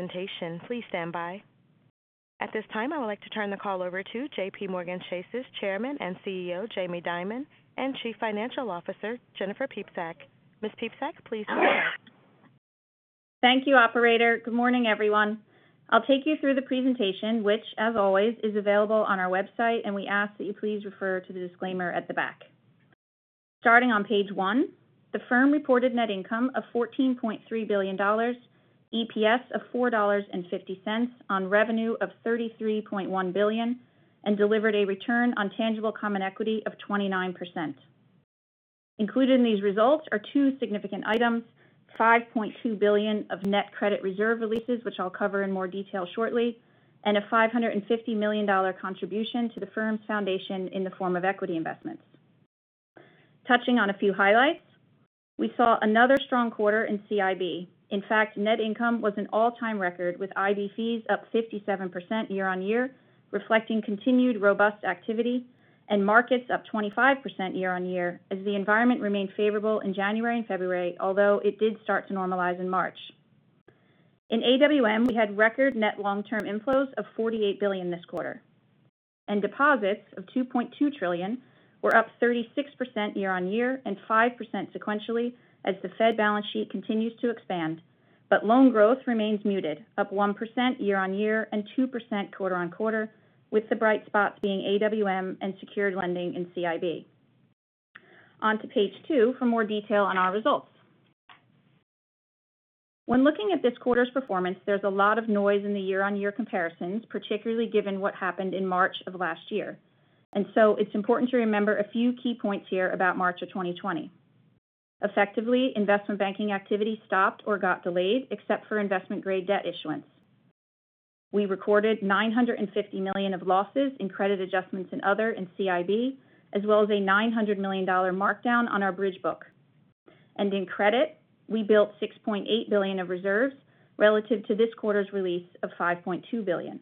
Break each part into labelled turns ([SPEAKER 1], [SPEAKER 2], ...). [SPEAKER 1] At this time, I would like to turn the call over to JPMorganChase's Chairman and CEO, Jamie Dimon, and Chief Financial Officer, Jennifer Piepszak. Ms. Piepszak, please proceed.
[SPEAKER 2] Thank you, operator. Good morning, everyone. I'll take you through the presentation, which, as always, is available on our website, and we ask that you please refer to the disclaimer at the back. Starting on page one, the firm reported net income of $14.3 billion, EPS of $4.50 on revenue of $33.1 billion, and delivered a return on tangible common equity of 29%. Included in these results are two significant items. $5.2 billion of net credit reserve releases, which I'll cover in more detail shortly, and a $550 million contribution to the firm's foundation in the form of equity investments. Touching on a few highlights, we saw another strong quarter in CIB. In fact, net income was an all-time record, with IB fees up 57% year-on-year, reflecting continued robust activity, and markets up 25% year-on-year as the environment remained favorable in January and February, although it did start to normalize in March. In AWM, we had record net long-term inflows of $48 billion this quarter. Deposits of $2.2 trillion were up 36% year-on-year and 5% sequentially as the Fed balance sheet continues to expand. Loan growth remains muted, up 1% year-on-year and 2% quarter-on-quarter, with the bright spot being AWM and secured lending in CIB. On to page two for more detail on our results. When looking at this quarter's performance, there's a lot of noise in the year-on-year comparisons, particularly given what happened in March of last year. It's important to remember a few key points here about March of 2020. Effectively, investment banking activity stopped or got delayed, except for investment-grade debt issuance. We recorded $950 million of losses in credit adjustments and other in CIB, as well as a $900 million markdown on our bridge book. In credit, we built $6.8 billion of reserves relative to this quarter's release of $5.2 billion.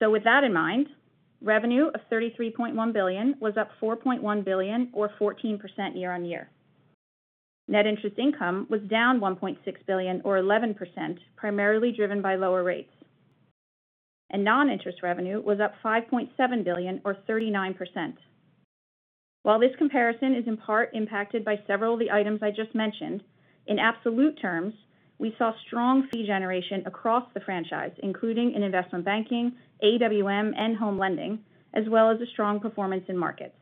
[SPEAKER 2] With that in mind, revenue of $33.1 billion was up $4.1 billion or 14% year-on-year. Net interest income was down $1.6 billion or 11%, primarily driven by lower rates. Non-interest revenue was up $5.7 billion or 39%. While this comparison is in part impacted by several of the items I just mentioned, in absolute terms, we saw strong fee generation across the franchise, including in investment banking, AWM, and home lending, as well as a strong performance in markets.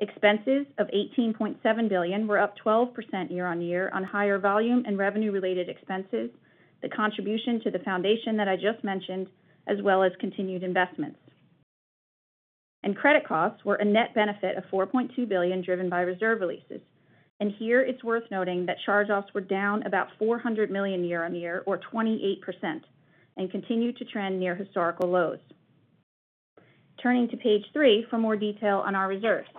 [SPEAKER 2] Expenses of $18.7 billion were up 12% year-on-year on higher volume and revenue-related expenses, the contribution to the foundation that I just mentioned, as well as continued investments. Credit costs were a net benefit of $4.2 billion driven by reserve releases. Here it's worth noting that charge-offs were down about $400 million year-on-year or 28% and continue to trend near historical lows. Turning to page three for more detail on our reserves.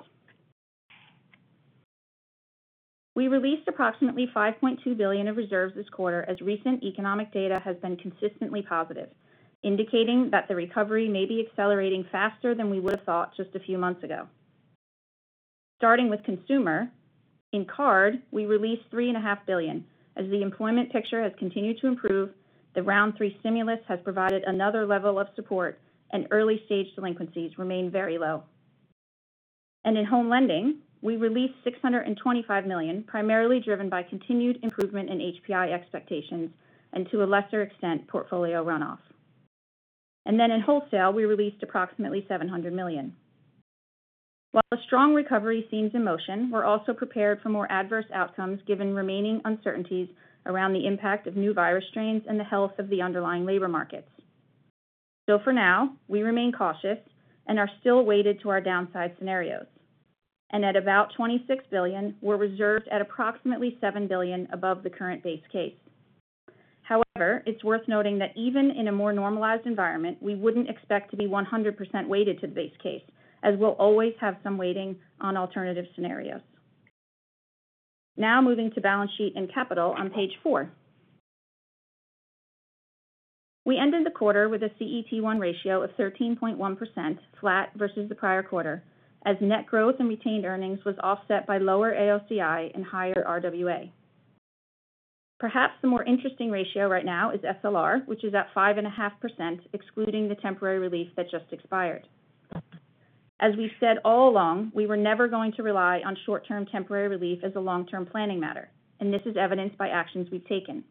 [SPEAKER 2] We released approximately $5.2 billion of reserves this quarter as recent economic data has been consistently positive, indicating that the recovery may be accelerating faster than we would've thought just a few months ago. Starting with consumer, in card, we released $3.5 billion. As the employment picture has continued to improve, the round three stimulus has provided another level of support, and early-stage delinquencies remain very low. In home lending, we released $625 million, primarily driven by continued improvement in HPI expectations and, to a lesser extent, portfolio runoff. In wholesale, we released approximately $700 million. While a strong recovery seems in motion, we're also prepared for more adverse outcomes given remaining uncertainties around the impact of new virus strains and the health of the underlying labor markets. For now, we remain cautious and are still weighted to our downside scenarios. At about $26 billion, we're reserved at approximately $7 billion above the current base case. However, it's worth noting that even in a more normalized environment, we wouldn't expect to be 100% weighted to the base case, as we'll always have some weighting on alternative scenarios. Moving to balance sheet and capital on page four. We ended the quarter with a CET1 ratio of 13.1%, flat versus the prior quarter, as net growth in retained earnings was offset by lower AOCI and higher RWA. Perhaps the more interesting ratio right now is SLR, which is at 5.5%, excluding the temporary relief that just expired. As we've said all along, we were never going to rely on short-term temporary relief as a long-term planning matter, and this is evidenced by actions we've taken.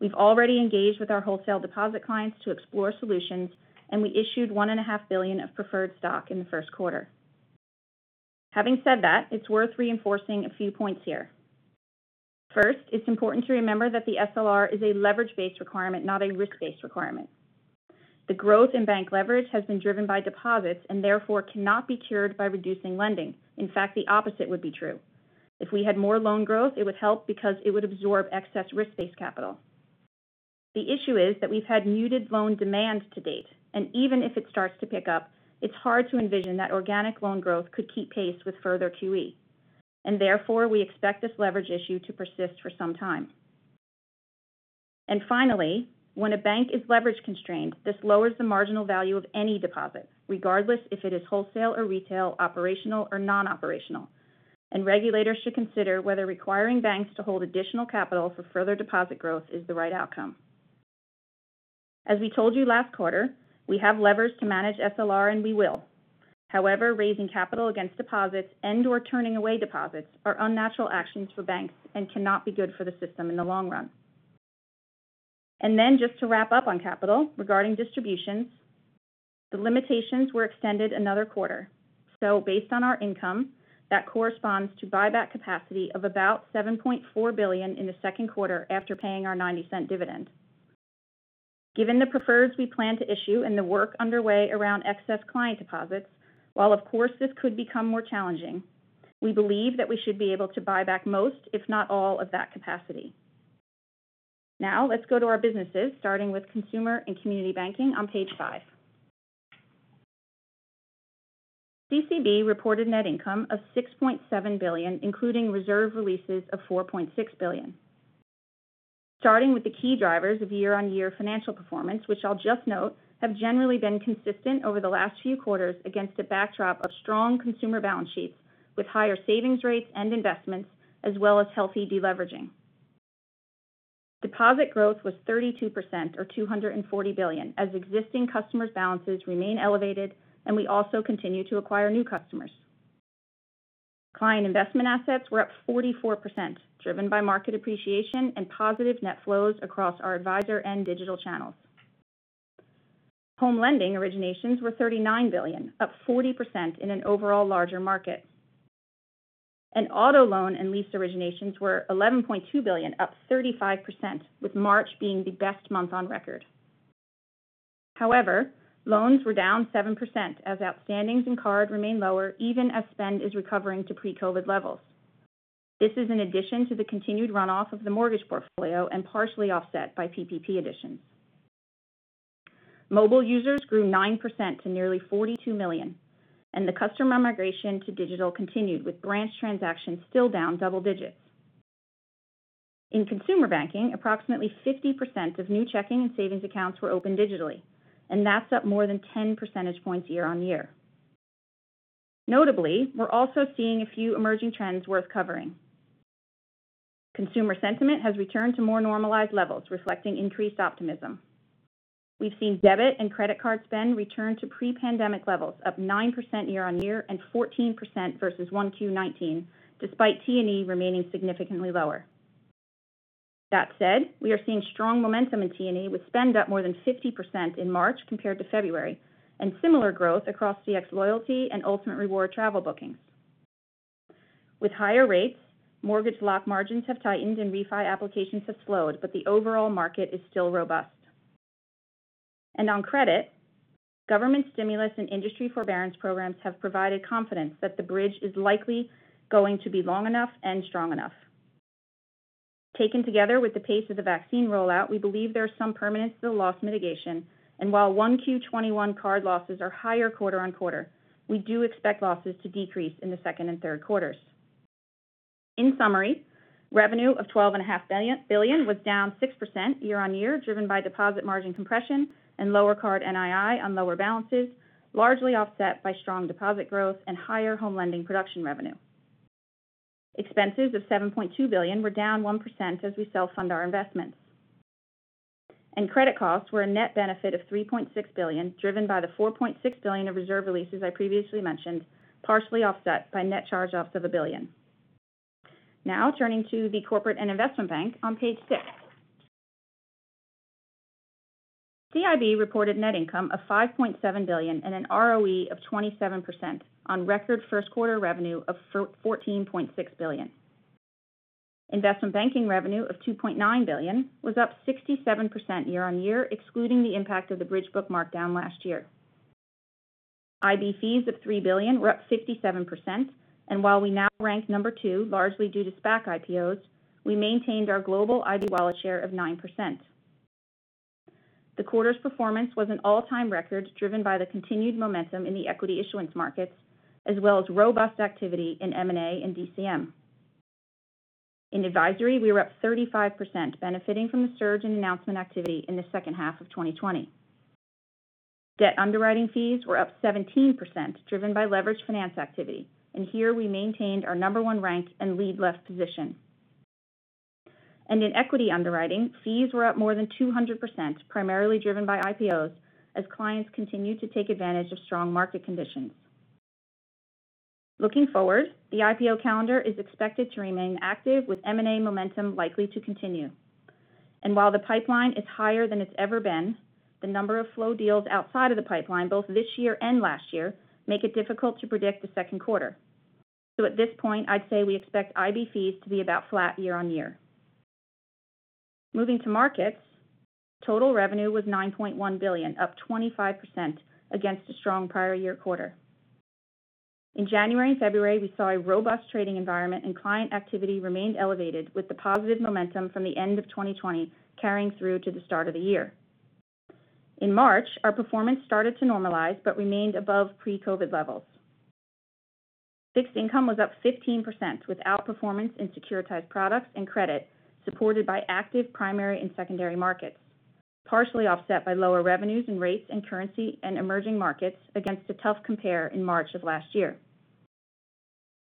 [SPEAKER 2] We've already engaged with our wholesale deposit clients to explore solutions, and we issued $1.5 billion of preferred stock in the first quarter. Having said that, it's worth reinforcing a few points here. First, it's important to remember that the SLR is a leverage-based requirement, not a risk-based requirement. The growth in bank leverage has been driven by deposits and therefore cannot be cured by reducing lending. In fact, the opposite would be true. If we had more loan growth, it would help because it would absorb excess risk-based capital. The issue is that we've had muted loan demand to date, and even if it starts to pick up, it's hard to envision that organic loan growth could keep pace with further QE. Therefore, we expect this leverage issue to persist for some time. Finally, when a bank is leverage constrained, this lowers the marginal value of any deposit, regardless if it is wholesale or retail, operational or non-operational. Regulators should consider whether requiring banks to hold additional capital for further deposit growth is the right outcome. As we told you last quarter, we have levers to manage SLR, and we will. However, raising capital against deposits and/or turning away deposits are unnatural actions for banks and cannot be good for the system in the long run. Regarding distributions, the limitations were extended another quarter. Based on our income, that corresponds to buyback capacity of about $7.4 billion in the second quarter after paying our $0.90 dividend. Given the preferreds we plan to issue and the work underway around excess client deposits, while of course this could become more challenging, we believe that we should be able to buy back most, if not all of that capacity. Let's go to our businesses, starting with Consumer and Community Banking on page five. CCB reported net income of $6.7 billion, including reserve releases of $4.6 billion. Starting with the key drivers of year-on-year financial performance, which I'll just note have generally been consistent over the last few quarters against a backdrop of strong consumer balance sheets with higher savings rates and investments, as well as healthy de-leveraging. Deposit growth was 32%, or $240 billion, as existing customers' balances remain elevated, and we also continue to acquire new customers. Client investment assets were up 44%, driven by market appreciation and positive net flows across our advisor and digital channels. Home lending originations were $39 billion, up 40% in an overall larger market. Auto loan and lease originations were $11.2 billion, up 35%, with March being the best month on record. However, loans were down 7% as outstandings and card remain lower even as spend is recovering to pre-COVID levels. This is in addition to the continued runoff of the mortgage portfolio and partially offset by PPP additions. Mobile users grew 9% to nearly 42 million, and the customer migration to digital continued with branch transactions still down double digits. In consumer banking, approximately 50% of new checking and savings accounts were opened digitally, and that's up more than 10 percentage points year-on-year. Notably, we're also seeing a few emerging trends worth covering. Consumer sentiment has returned to more normalized levels, reflecting increased optimism. We've seen debit and credit card spend return to pre-pandemic levels, up 9% year-on-year and 14% versus 1Q19, despite T&E remaining significantly lower. We are seeing strong momentum in T&E with spend up more than 50% in March compared to February, and similar growth across cxLoyalty and Ultimate Rewards travel bookings. With higher rates, mortgage lock margins have tightened and refi applications have slowed, but the overall market is still robust. On credit, government stimulus and industry forbearance programs have provided confidence that the bridge is likely going to be long enough and strong enough. Taken together with the pace of the vaccine rollout, we believe there's some permanence to the loss mitigation, and while 1Q21 card losses are higher quarter-on-quarter, we do expect losses to decrease in the second and third quarters. In summary, revenue of $12.5 billion was down 6% year-on-year, driven by deposit margin compression and lower card NII on lower balances, largely offset by strong deposit growth and higher home lending production revenue. Expenses of $7.2 billion were down 1% as we self-fund our investments. Credit costs were a net benefit of $3.6 billion, driven by the $4.6 billion of reserve releases I previously mentioned, partially offset by net charge-offs of $1 billion. Turning to the Corporate and Investment Bank on page six. CIB reported net income of $5.7 billion and an ROE of 27% on record first quarter revenue of $14.6 billion. Investment banking revenue of $2.9 billion was up 67% year-on-year, excluding the impact of the bridge book markdown last year. IB fees of $3 billion were up 57%, and while we now rank number two, largely due to SPAC IPOs, we maintained our global IB wallet share of 9%. The quarter's performance was an all-time record driven by the continued momentum in the equity issuance markets as well as robust activity in M&A and DCM. In advisory, we were up 35%, benefiting from a surge in announcement activity in the second half of 2020. Debt underwriting fees were up 17%, driven by leveraged finance activity. Here we maintained our number one rank and lead left position. In equity underwriting, fees were up more than 200%, primarily driven by IPOs as clients continued to take advantage of strong market conditions. Looking forward, the IPO calendar is expected to remain active with M&A momentum likely to continue. While the pipeline is higher than it's ever been, the number of flow deals outside of the pipeline both this year and last year make it difficult to predict the second quarter. At this point, I'd say we expect IB fees to be about flat year-on-year. Moving to markets, total revenue was $9.1 billion, up 25% against a strong prior year quarter. In January and February, we saw a robust trading environment and client activity remained elevated with the positive momentum from the end of 2020 carrying through to the start of the year. In March, our performance started to normalize but remained above pre-COVID levels. Fixed income was up 15% with outperformance in securitized products and credit supported by active primary and secondary markets. Partially offset by lower revenues and rates and currency in emerging markets against a tough compare in March of last year.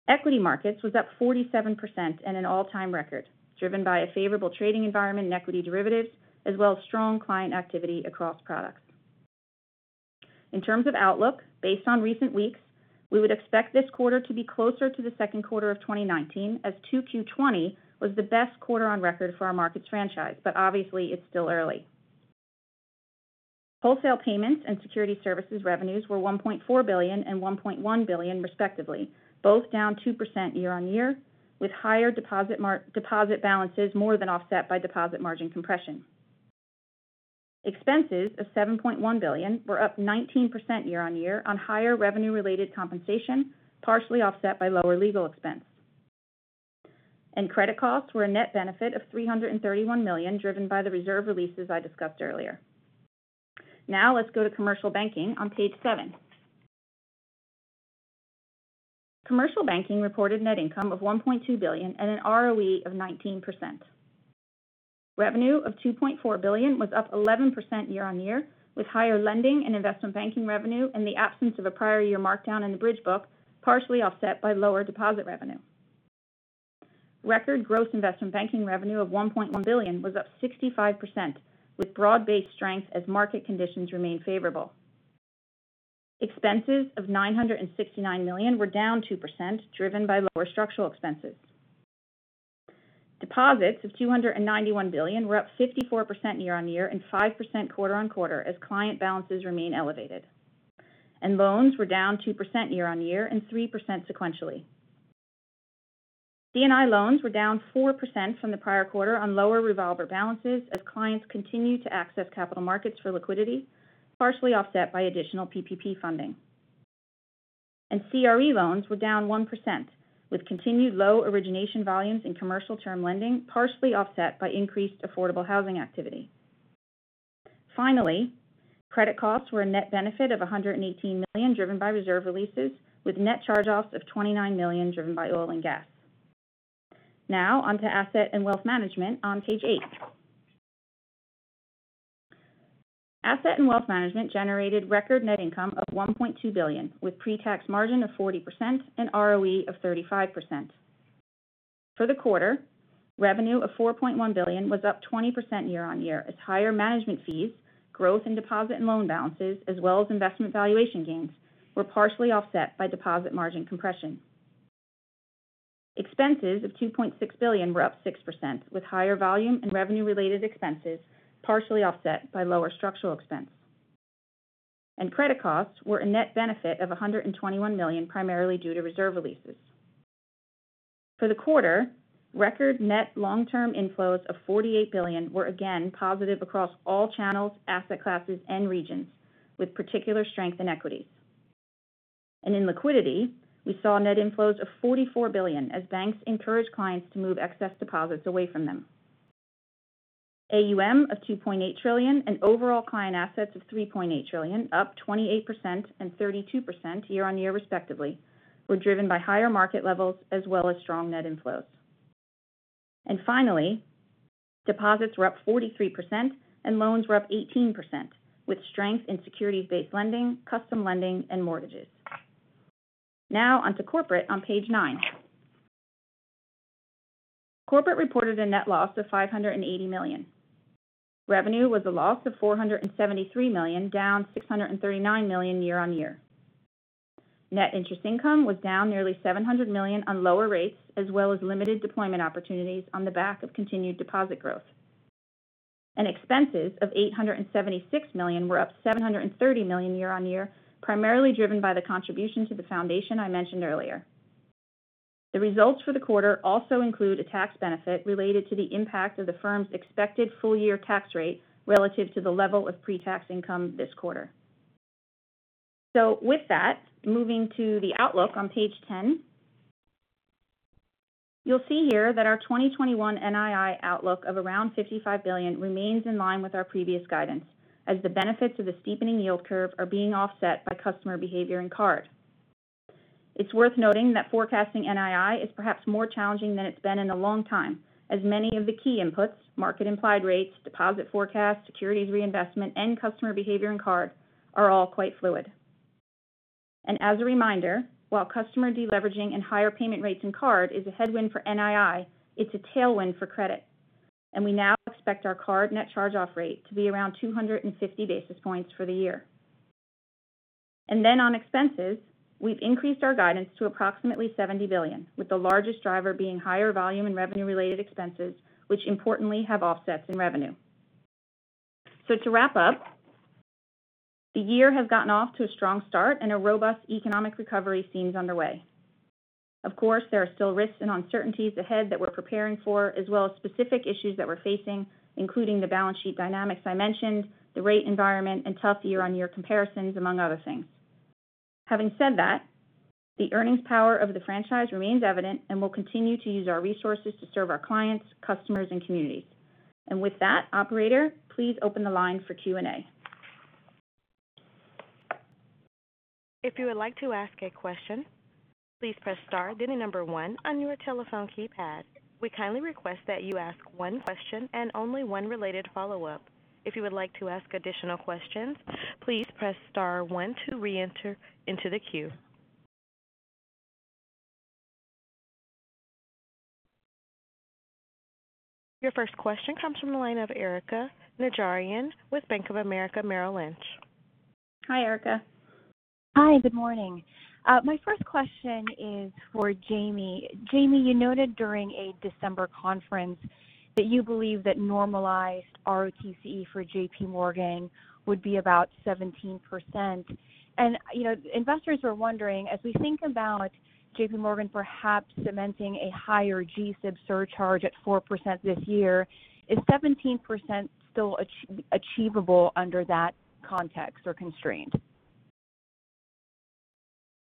[SPEAKER 2] Equity markets was up 47% and an all-time record, driven by a favorable trading environment in equity derivatives as well as strong client activity across products. In terms of outlook, based on recent weeks, we would expect this quarter to be closer to the second quarter of 2019 as 2Q20 was the best quarter on record for our markets franchise. Obviously, it's still early. Wholesale Payments and Security Services revenues were $1.4 billion and $1.1 billion respectively, both down 2% year-over-year, with higher deposit balances more than offset by deposit margin compression. Expenses of $7.1 billion were up 19% year-over-year on higher revenue-related compensation, partially offset by lower legal expense. Credit costs were a net benefit of $331 million, driven by the reserve releases I discussed earlier. Now let's go to Commercial Banking on page seven. Commercial Banking reported net income of $1.2 billion at an ROE of 19%. Revenue of $2.4 billion was up 11% year-over-year with higher lending and investment banking revenue in the absence of a prior year markdown in the bridge book, partially offset by lower deposit revenue. Record gross investment banking revenue of $1.1 billion was up 65%, with broad-based strength as market conditions remain favorable. Expenses of $969 million were down 2%, driven by lower structural expenses. Deposits of $291 billion were up 54% year-on-year and 5% quarter-on-quarter as client balances remain elevated. Loans were down 2% year-on-year and 3% sequentially. C&I loans were down 4% from the prior quarter on lower revolver balances as clients continue to access capital markets for liquidity, partially offset by additional PPP funding. CRE loans were down 1%, with continued low origination volumes in commercial term lending, partially offset by increased affordable housing activity. Finally, credit costs were a net benefit of $118 million, driven by reserve releases with net charge-offs of $29 million, driven by oil and gas. Now on to Asset and Wealth Management on page eight. Asset and Wealth Management generated record net income of $1.2 billion, with pre-tax margin of 40% and ROE of 35%. For the quarter, revenue of $4.1 billion was up 20% year-on-year as higher management fees, growth in deposit and loan balances, as well as investment valuation gains were partially offset by deposit margin compression. Expenses of $2.6 billion were up 6%, with higher volume and revenue-related expenses partially offset by lower structural expense. Credit costs were a net benefit of $121 million, primarily due to reserve releases. For the quarter, record net long-term inflows of $48 billion were again positive across all channels, asset classes, and regions, with particular strength in equities. In liquidity, we saw net inflows of $44 billion as banks encouraged clients to move excess deposits away from them. AUM of $2.8 trillion and overall client assets of $3.8 trillion, up 28% and 32% year-on-year respectively, were driven by higher market levels as well as strong net inflows. Finally, deposits were up 43% and loans were up 18%, with strength in securities-based lending, custom lending, and mortgages. Now on to Corporate on page nine. Corporate reported a net loss of $580 million. Revenue was a loss of $473 million, down $639 million year-on-year. Net interest income was down nearly $700 million on lower rates, as well as limited deployment opportunities on the back of continued deposit growth. Expenses of $876 million were up $730 million year-on-year, primarily driven by the contribution to the Foundation I mentioned earlier. The results for the quarter also include a tax benefit related to the impact of the firm's expected full year tax rate relative to the level of pre-tax income this quarter. With that, moving to the outlook on page 10. You'll see here that our 2021 NII outlook of around $55 billion remains in line with our previous guidance, as the benefits of a steepening yield curve are being offset by customer behavior in card. It's worth noting that forecasting NII is perhaps more challenging than it's been in a long time, as many of the key inputs, market implied rates, deposit forecast, securities reinvestment, and customer behavior and card are all quite fluid. As a reminder, while customer deleveraging and higher payment rates in card is a headwind for NII, it's a tailwind for credit, and we now expect our card net charge-off rate to be around 250 basis points for the year. On expenses, we've increased our guidance to approximately $70 billion, with the largest driver being higher volume and revenue-related expenses, which importantly have offsets in revenue. To wrap up, the year has gotten off to a strong start and a robust economic recovery seems underway. Of course, there are still risks and uncertainties ahead that we're preparing for, as well as specific issues that we're facing, including the balance sheet dynamics I mentioned, the rate environment, and tough year-on-year comparisons, among other things. Having said that, the earnings power of the franchise remains evident and we'll continue to use our resources to serve our clients, customers, and communities. With that, operator, please open the line for Q&A.
[SPEAKER 1] If you would like to ask a question, please press star then the number one on your telephone keypad. We kindly request that you ask one question and only one related follow-up. If you would like to ask additional questions, please press star one to re-enter into the queue. Your first question comes from the line of Erika Najarian with Bank of America Merrill Lynch.
[SPEAKER 2] Hi, Erika.
[SPEAKER 3] Hi. Good morning. My first question is for Jamie. Jamie, you noted during a December conference that you believe that normalized ROTCE for JPMorgan would be about 17%. Investors are wondering, as we think about JPMorgan perhaps cementing a higher GSIB surcharge at 4% this year, is 17% still achievable under that context or constraint?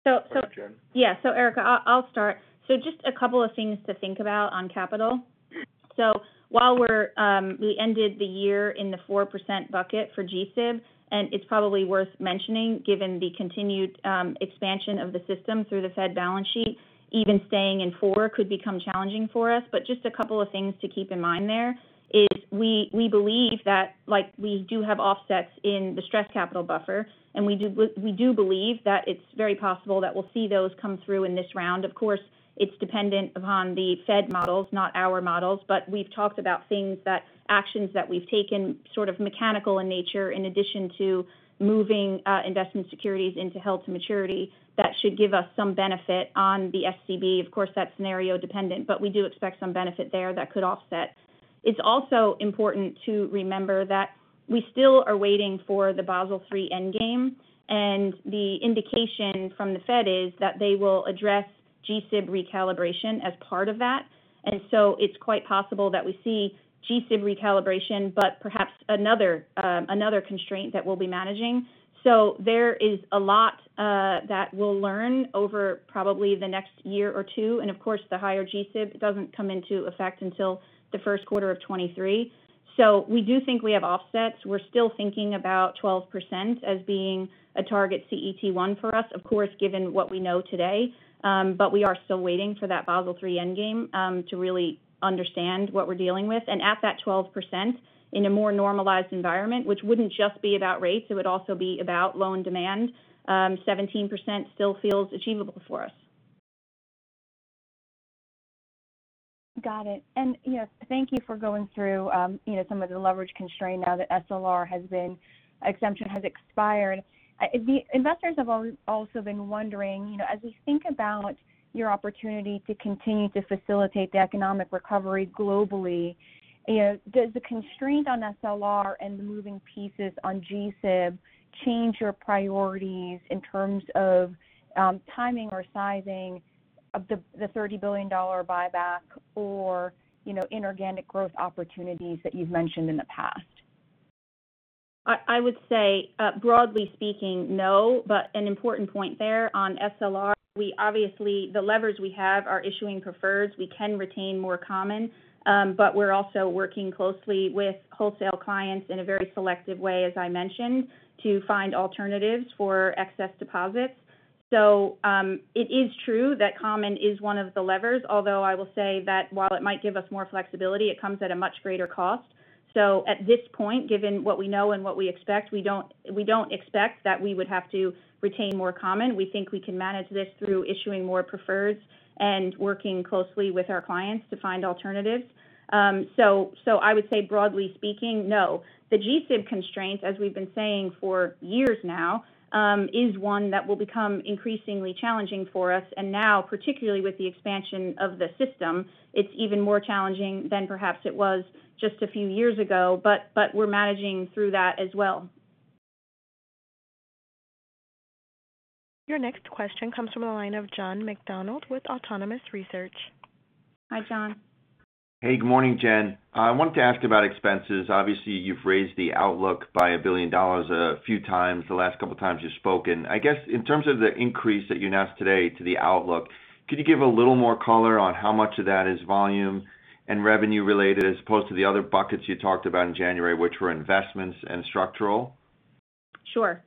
[SPEAKER 2] So-
[SPEAKER 4] Go ahead, Jen.
[SPEAKER 2] Yeah. Erika, I'll start. Just a couple of things to think about on capital. While we ended the year in the 4% bucket for GSIB, and it's probably worth mentioning given the continued expansion of the system through the Fed balance sheet, even staying in four could become challenging for us. Just a couple of things to keep in mind there is we believe that we do have offsets in the stress capital buffer, and we do believe that it's very possible that we'll see those come through in this round. Of course, it's dependent upon the Fed models, not our models, but we've talked about things that, actions that we've taken, sort of mechanical in nature, in addition to moving investment securities into held-to-maturity, that should give us some benefit on the SCB. Of course, that's scenario dependent, but we do expect some benefit there that could offset. It's also important to remember that we still are waiting for the Basel III end game, and the indication from the Fed is that they will address GSIB recalibration as part of that. It's quite possible that we see GSIB recalibration, but perhaps another constraint that we'll be managing. There is a lot that we'll learn over probably the next year or two. Of course, the higher GSIB doesn't come into effect until the first quarter of 2023. We do think we have offsets. We're still thinking about 12% as being a target CET1 for us, of course, given what we know today. We are still waiting for that Basel III end game to really understand what we're dealing with. At that 12%, in a more normalized environment, which wouldn't just be about rates, it would also be about loan demand, 17% still feels achievable for us.
[SPEAKER 3] Got it. Thank you for going through some of the leverage constraint now that SLR exemption has expired. Investors have also been wondering, as we think about your opportunity to continue to facilitate the economic recovery globally, does the constraint on SLR and the moving pieces on GSIB change your priorities in terms of timing or sizing of the $30 billion buyback or inorganic growth opportunities that you've mentioned in the past?
[SPEAKER 2] I would say, broadly speaking, no. An important point there on SLR, obviously, the levers we have are issuing preferreds. We can retain more common. We're also working closely with wholesale clients in a very selective way, as I mentioned, to find alternatives for excess deposits. It is true that common is one of the levers, although I will say that while it might give us more flexibility, it comes at a much greater cost. At this point, given what we know and what we expect, we don't expect that we would have to retain more common. We think we can manage this through issuing more preferreds and working closely with our clients to find alternatives. I would say, broadly speaking, no. The GSIB constraints, as we've been saying for years now, is one that will become increasingly challenging for us. Now, particularly with the expansion of the system, it's even more challenging than perhaps it was just a few years ago. We're managing through that as well.
[SPEAKER 1] Your next question comes from the line of John McDonald with Autonomous Research.
[SPEAKER 2] Hi, John.
[SPEAKER 5] Hey. Good morning, Jen. I wanted to ask about expenses. Obviously, you've raised the outlook by $1 billion a few times the last couple times you've spoken. I guess in terms of the increase that you announced today to the outlook, could you give a little more color on how much of that is volume and revenue related as opposed to the other buckets you talked about in January, which were investments and structural?
[SPEAKER 2] Sure.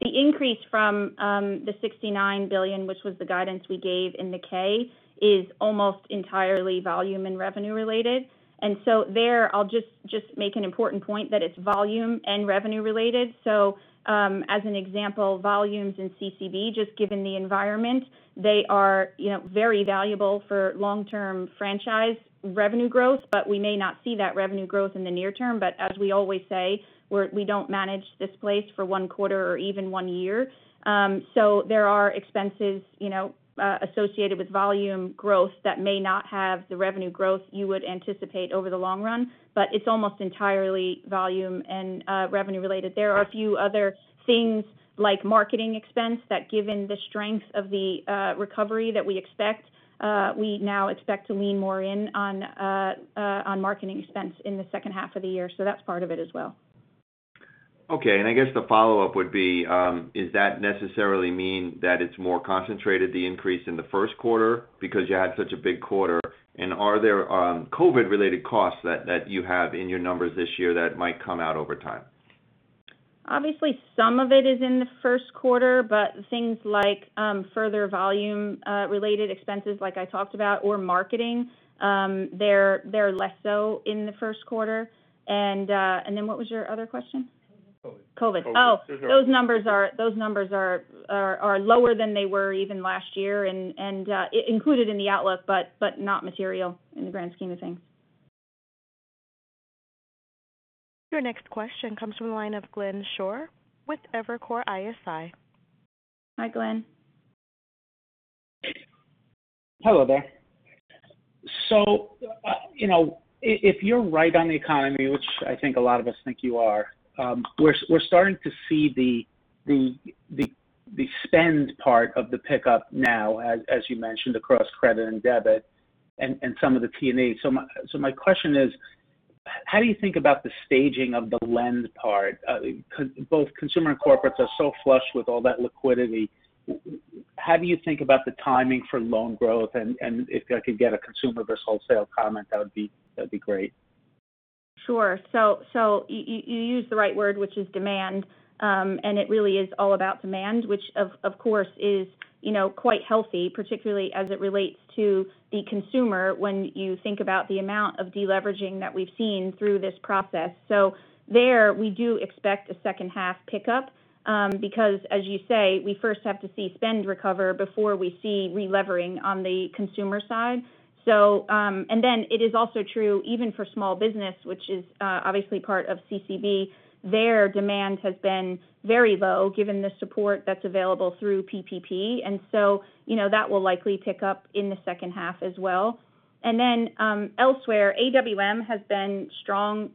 [SPEAKER 2] The increase from the $69 billion, which was the guidance we gave in the K, is almost entirely volume and revenue related. There, I'll just make an important point that it's volume and revenue related. As an example, volumes in CCB, just given the environment, they are very valuable for long-term franchise revenue growth. We may not see that revenue growth in the near term. As we always say, we don't manage this place for one quarter or even one year. There are expenses associated with volume growth that may not have the revenue growth you would anticipate over the long run, it's almost entirely volume and revenue related. There are a few other things like marketing expense that, given the strength of the recovery that we expect, we now expect to lean more in on marketing expense in the second half of the year. That's part of it as well.
[SPEAKER 5] Okay. I guess the follow-up would be, does that necessarily mean that it's more concentrated, the increase in the first quarter because you had such a big quarter? Are there COVID related costs that you have in your numbers this year that might come out over time?
[SPEAKER 2] Obviously, some of it is in the first quarter, but things like further volume-related expenses like I talked about, or marketing, they're less so in the first quarter. What was your other question?
[SPEAKER 5] COVID.
[SPEAKER 2] COVID. Oh, those numbers are lower than they were even last year and included in the outlook, but not material in the grand scheme of things.
[SPEAKER 1] Your next question comes from the line of Glenn Schorr with Evercore ISI.
[SPEAKER 2] Hi, Glenn.
[SPEAKER 6] Hello there. If you're right on the economy, which I think a lot of us think you are, we're starting to see the spend part of the pickup now, as you mentioned, across credit and debit and some of the P&A. My question is, how do you think about the staging of the lend part? Both consumer and corporates are so flush with all that liquidity. How do you think about the timing for loan growth? If I could get a consumer versus wholesale comment, that'd be great.
[SPEAKER 2] Sure. You used the right word, which is demand. It really is all about demand, which of course is quite healthy, particularly as it relates to the consumer when you think about the amount of deleveraging that we've seen through this process. There we do expect a second half pickup because, as you say, we first have to see spend recover before we see relevering on the consumer side. It is also true even for small business, which is obviously part of CCB. Their demand has been very low given the support that's available through PPP, that will likely pick up in the second half as well. Elsewhere, AWM has been strong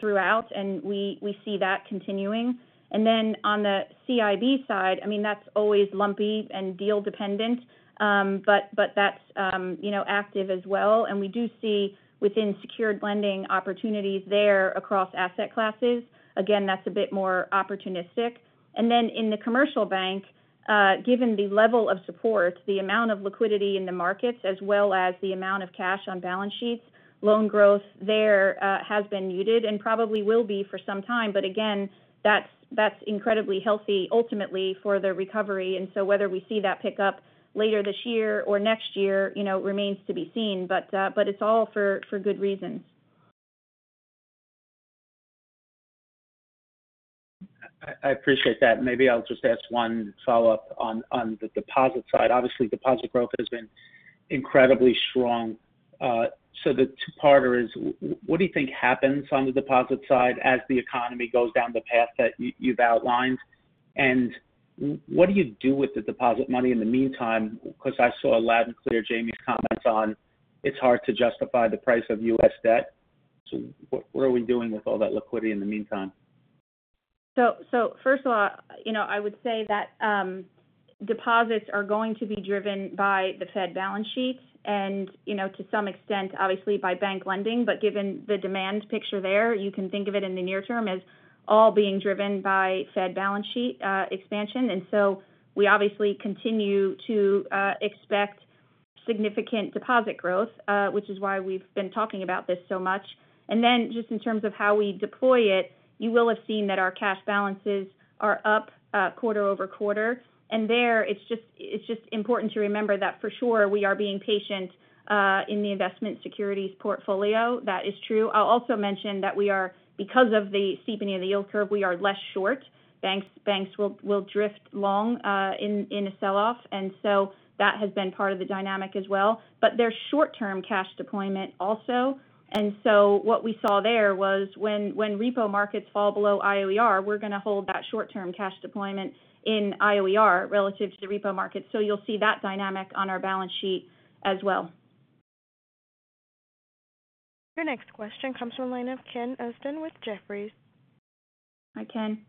[SPEAKER 2] throughout, and we see that continuing. On the CIB side, that's always lumpy and deal dependent. That's active as well. We do see within secured lending opportunities there across asset classes. Again, that's a bit more opportunistic. In the commercial bank, given the level of support, the amount of liquidity in the markets as well as the amount of cash on balance sheets, loan growth there has been muted and probably will be for some time. Again, that's incredibly healthy ultimately for the recovery, and so whether we see that pick up later this year or next year remains to be seen. It's all for good reasons.
[SPEAKER 6] I appreciate that. Maybe I'll just ask one follow-up on the deposit side. Obviously, deposit growth has been incredibly strong. The two-parter is what do you think happens on the deposit side as the economy goes down the path that you've outlined? What do you do with the deposit money in the meantime? Because I saw loud and clear Jamie's comments on it's hard to justify the price of U.S. debt. What are we doing with all that liquidity in the meantime?
[SPEAKER 2] First of all, I would say that deposits are going to be driven by the Fed balance sheets and to some extent, obviously by bank lending, but given the demand picture there, you can think of it in the near term as all being driven by Fed balance sheet expansion. We obviously continue to expect significant deposit growth, which is why we've been talking about this so much. Just in terms of how we deploy it, you will have seen that our cash balances are up quarter-over-quarter. There it's just important to remember that for sure we are being patient in the investment securities portfolio. That is true. I'll also mention that because of the steepening of the yield curve, we are less short. Banks will drift long in a sell-off, and so that has been part of the dynamic as well. There's short-term cash deployment also. What we saw there was when repo markets fall below IOER, we're going to hold that short-term cash deployment in IOER relative to the repo market. You'll see that dynamic on our balance sheet as well.
[SPEAKER 1] Your next question comes from the line of Ken Usdin with Jefferies.
[SPEAKER 2] Hi, Ken.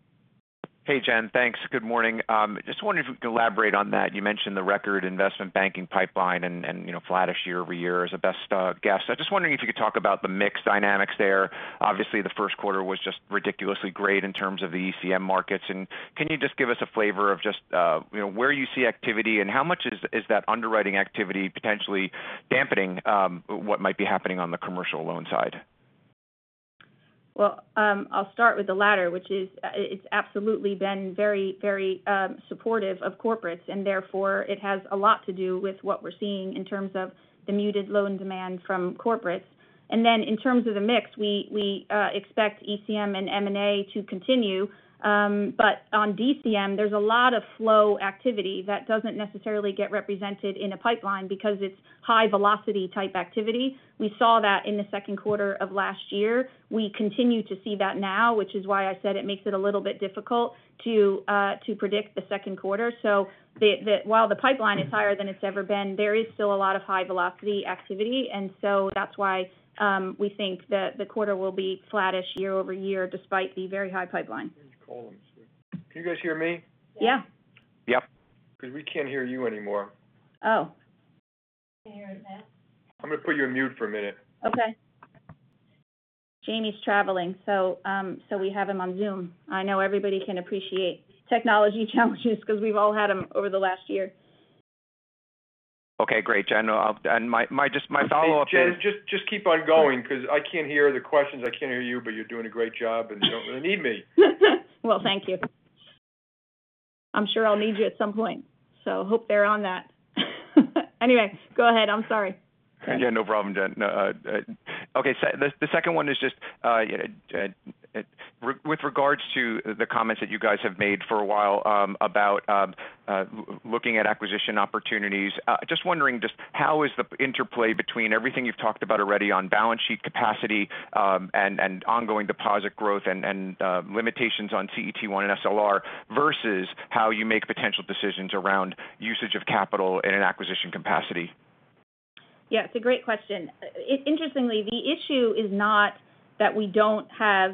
[SPEAKER 7] Hey, Jen. Thanks. Good morning. Just wondering if you could elaborate on that. You mentioned the record investment banking pipeline and flattish year-over-year as a best guess. I'm just wondering if you could talk about the mix dynamics there. Obviously, the first quarter was just ridiculously great in terms of the ECM markets. Can you just give us a flavor of just where you see activity and how much is that underwriting activity potentially dampening what might be happening on the commercial loan side?
[SPEAKER 2] I'll start with the latter, which is it's absolutely been very supportive of corporates, therefore it has a lot to do with what we're seeing in terms of the muted loan demand from corporates. In terms of the mix, we expect ECM and M&A to continue. On DCM, there's a lot of flow activity that doesn't necessarily get represented in a pipeline because it's high velocity type activity. We saw that in the second quarter of last year. We continue to see that now, which is why I said it makes it a little bit difficult to predict the second quarter. While the pipeline is higher than it's ever been, there is still a lot of high velocity activity, so that's why we think that the quarter will be flattish year-over-year despite the very high pipeline.
[SPEAKER 4] Can you guys hear me?
[SPEAKER 2] Yeah.
[SPEAKER 7] We can't hear you anymore.
[SPEAKER 2] Oh.
[SPEAKER 1] We can hear you now.
[SPEAKER 4] I'm going to put you on mute for a minute.
[SPEAKER 2] Okay. Jamie's traveling. We have him on Zoom. I know everybody can appreciate technology challenges because we've all had them over the last year.
[SPEAKER 7] Okay, great, Jen. My follow-up is.
[SPEAKER 4] Hey, Jen, just keep on going because I can't hear the questions. I can't hear you, but you're doing a great job, and you don't really need me.
[SPEAKER 2] Thank you. I'm sure I'll need you at some point, so hope they're on that. Go ahead. I'm sorry.
[SPEAKER 7] No problem, Jen. Okay. The second one is just with regards to the comments that you guys have made for a while about looking at acquisition opportunities. Just wondering just how is the interplay between everything you've talked about already on balance sheet capacity and ongoing deposit growth and limitations on CET1 and SLR versus how you make potential decisions around usage of capital in an acquisition capacity?
[SPEAKER 2] It's a great question. Interestingly, the issue is not that we don't have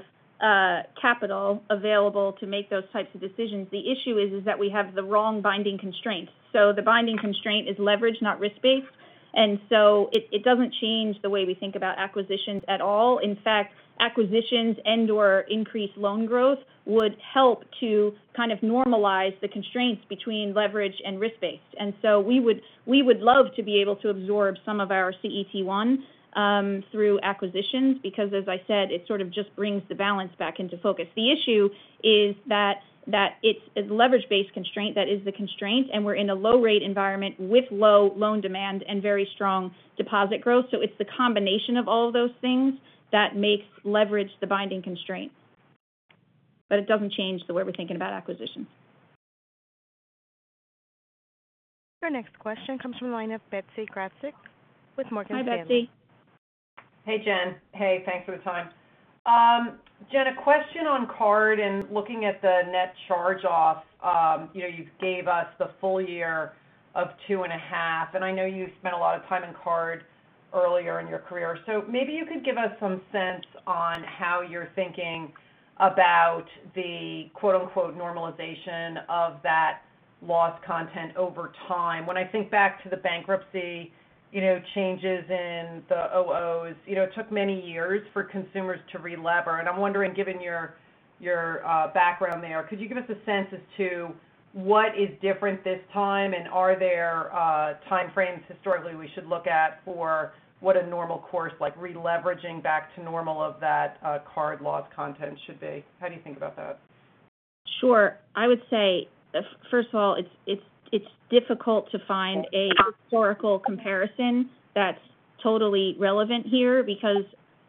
[SPEAKER 2] capital available to make those types of decisions. The issue is that we have the wrong binding constraint. The binding constraint is leverage, not risk-based, and so it doesn't change the way we think about acquisitions at all. In fact, acquisitions and/or increased loan growth would help to kind of normalize the constraints between leverage and risk-based. We would love to be able to absorb some of our CET1 through acquisitions because, as I said, it sort of just brings the balance back into focus. The issue is that it's a leverage-based constraint that is the constraint, and we're in a low-rate environment with low loan demand and very strong deposit growth. It's the combination of all of those things that makes leverage the binding constraint. It doesn't change the way we're thinking about acquisitions.
[SPEAKER 1] Your next question comes from the line of Betsy Graseck with Morgan Stanley.
[SPEAKER 2] Hi, Betsy.
[SPEAKER 8] Hey, Jen. Hey, thanks for the time. Jen, a question on card and looking at the net charge-off. You gave us the full year of two and a half, and I know you've spent a lot of time in card earlier in your career. Maybe you could give us some sense on how you're thinking about the "normalization" of that loss content over time. When I think back to the bankruptcy changes in the 2000s, it took many years for consumers to relever. I'm wondering, given your background there, could you give us a sense as to what is different this time? Are there timeframes historically we should look at for what a normal course like releveraging back to normal of that card loss content should be? How do you think about that?
[SPEAKER 2] Sure. I would say, first of all, it's difficult to find a historical comparison that's totally relevant here because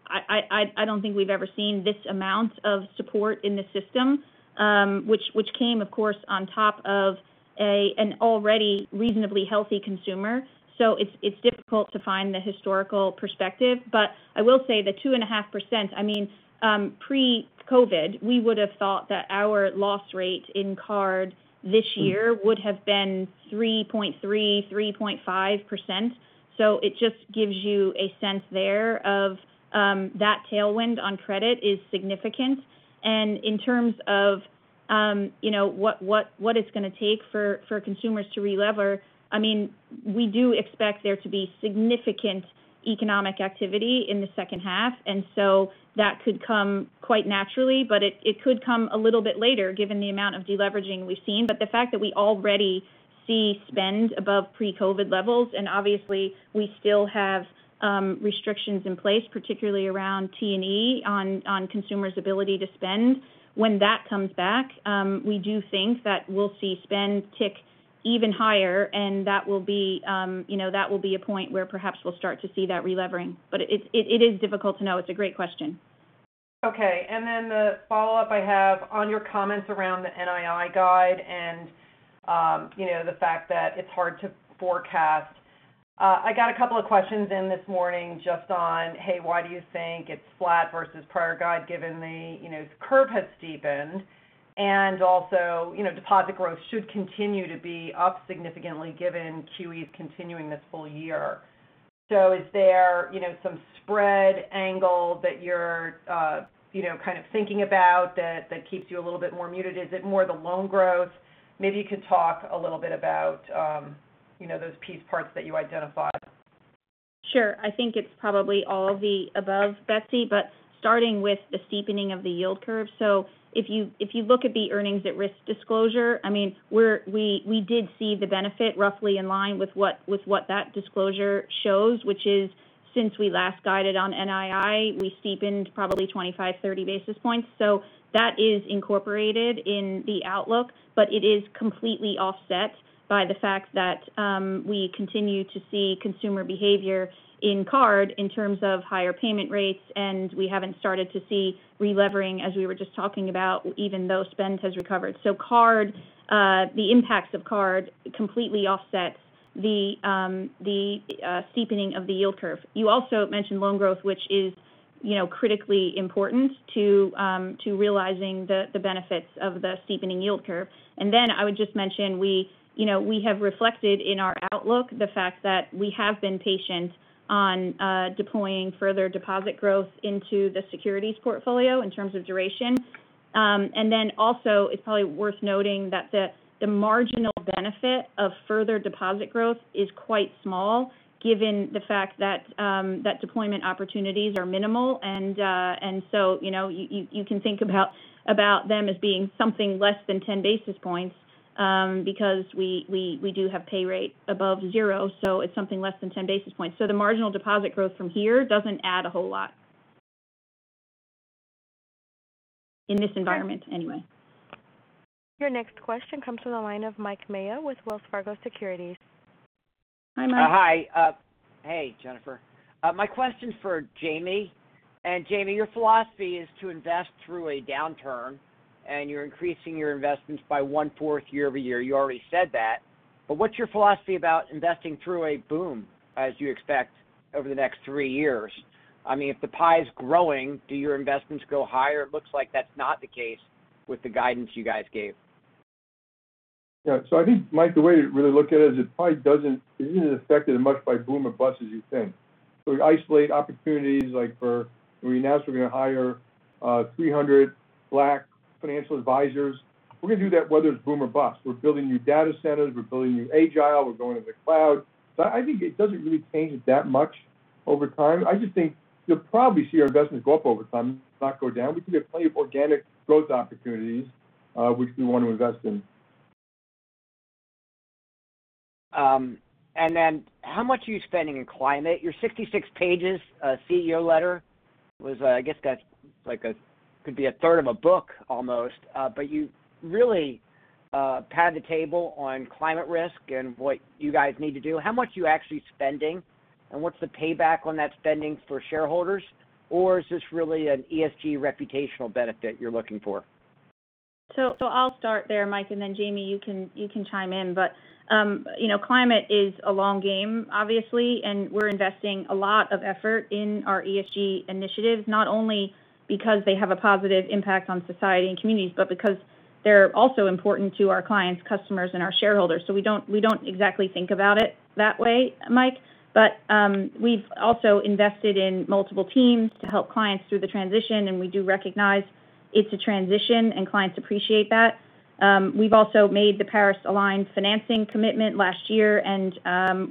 [SPEAKER 2] I don't think we've ever seen this amount of support in the system, which came, of course, on top of an already reasonably healthy consumer. It's difficult to find the historical perspective. I will say the 2.5%, pre-COVID, we would've thought that our loss rate in card this year would have been 3.3%, 3.5%. It just gives you a sense there of that tailwind on credit is significant. In terms of what it's going to take for consumers to relever, we do expect there to be significant economic activity in the second half, that could come quite naturally. It could come a little bit later given the amount of deleveraging we've seen. The fact that we already see spend above pre-COVID levels, and obviously, we still have restrictions in place, particularly around T&E on consumers' ability to spend. When that comes back, we do think that we'll see spend tick even higher, and that will be a point where perhaps we'll start to see that relevering. It is difficult to know. It's a great question.
[SPEAKER 8] The follow-up I have on your comments around the NII guide and the fact that it's hard to forecast. I got a couple of questions in this morning just on, hey, why do you think it's flat versus prior guide given the curve has steepened and also deposit growth should continue to be up significantly given QE is continuing this full year. Is there some spread angle that you're kind of thinking about that keeps you a little bit more muted? Is it more the loan growth? Maybe you could talk a little bit about those piece parts that you identified.
[SPEAKER 2] Sure. I think it's probably all of the above, Betsy. Starting with the steepening of the yield curve. If you look at the earnings at risk disclosure, we did see the benefit roughly in line with what that disclosure shows, which is, since we last guided on NII, we steepened probably 25 basis points, 30 basis points. That is incorporated in the outlook, but it is completely offset by the fact that we continue to see consumer behavior in card in terms of higher payment rates, and we haven't started to see relevering as we were just talking about, even though spend has recovered. The impacts of card completely offset the steepening of the yield curve. You also mentioned loan growth, which is critically important to realizing the benefits of the steepening yield curve. I would just mention we have reflected in our outlook the fact that we have been patient on deploying further deposit growth into the securities portfolio in terms of duration. Also, it's probably worth noting that the marginal benefit of further deposit growth is quite small given the fact that deployment opportunities are minimal. You can think about them as being something less than 10 basis points because we do have pay rates above zero, so it's something less than 10 basis points. The marginal deposit growth from here doesn't add a whole lot in this environment anyway.
[SPEAKER 1] Your next question comes from the line of Mike Mayo with Wells Fargo Securities.
[SPEAKER 2] Hi, Mike.
[SPEAKER 9] Hi. Hey, Jennifer. My question's for Jamie. Jamie, your philosophy is to invest through a downturn, and you're increasing your investments by one-fourth year-over-year. You already said that. What's your philosophy about investing through a boom as you expect over the next three years? If the pie is growing, do your investments go higher? It looks like that's not the case with the guidance you guys gave.
[SPEAKER 4] Yeah. I think, Mike, the way to really look at it is it probably isn't affected as much by boom or bust as you think. We isolate opportunities like for when we announce we're going to hire 300 black financial advisors. We're going to do that whether it's boom or bust. We're building new data centers. We're building new Agile. We're going into the cloud. I think it doesn't really change it that much over time. I just think you'll probably see our investments go up over time, not go down. We can get plenty of organic growth opportunities, which we want to invest in.
[SPEAKER 9] How much are you spending in climate? Your 66 pages CEO Letter was, I guess that could be a third of a book almost. You really set the table on climate risk and what you guys need to do. How much are you actually spending, and what's the payback on that spending for shareholders? Is this really an ESG reputational benefit you're looking for?
[SPEAKER 2] I'll start there, Mike, and then Jamie, you can chime in. Climate is a long game, obviously, and we're investing a lot of effort in our ESG initiatives, not only because they have a positive impact on society and communities, but because they're also important to our clients, customers, and our shareholders. We don't exactly think about it that way, Mike. We've also invested in multiple teams to help clients through the transition, and we do recognize it's a transition and clients appreciate that. We've also made the Paris-Aligned Financing Commitment last year, and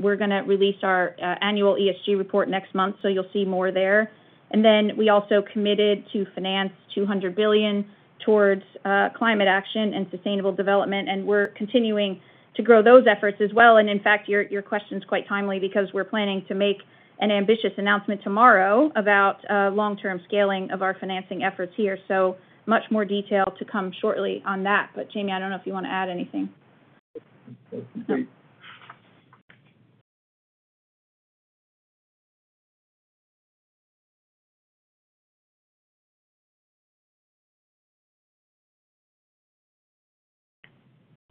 [SPEAKER 2] we're going to release our annual ESG report next month, so you'll see more there. We also committed to finance $200 billion towards climate action and sustainable development, and we're continuing to grow those efforts as well. In fact, your question's quite timely because we're planning to make an ambitious announcement tomorrow about long-term scaling of our financing efforts here. Much more detail to come shortly on that. Jamie, I don't know if you want to add anything.
[SPEAKER 4] Great.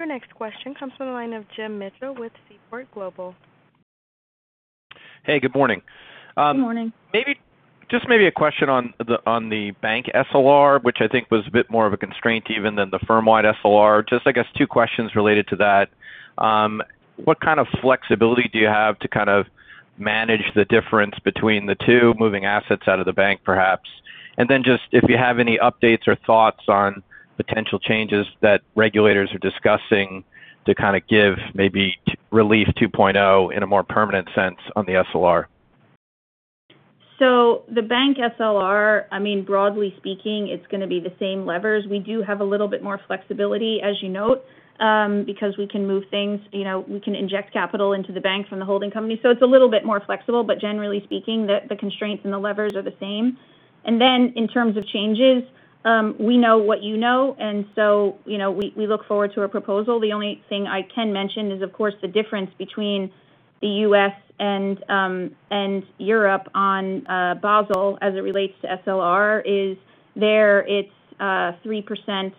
[SPEAKER 1] Your next question comes from the line of Jim Mitchell with Seaport Global.
[SPEAKER 10] Hey, good morning.
[SPEAKER 2] Good morning.
[SPEAKER 10] Maybe a question on the bank SLR, which I think was a bit more of a constraint even than the firm-wide SLR. I guess two questions related to that. What kind of flexibility do you have to manage the difference between the two, moving assets out of the bank perhaps? If you have any updates or thoughts on potential changes that regulators are discussing to give maybe relief 2.0 in a more permanent sense on the SLR.
[SPEAKER 2] The bank SLR, broadly speaking, it's going to be the same levers. We do have a little bit more flexibility, as you note, because we can move things, we can inject capital into the bank from the holding company. It's a little bit more flexible, but generally speaking, the constraints and the levers are the same. In terms of changes, we know what you know, we look forward to a proposal. The only thing I can mention is, of course, the difference between the U.S. and Europe on Basel as it relates to SLR is there it's 3%+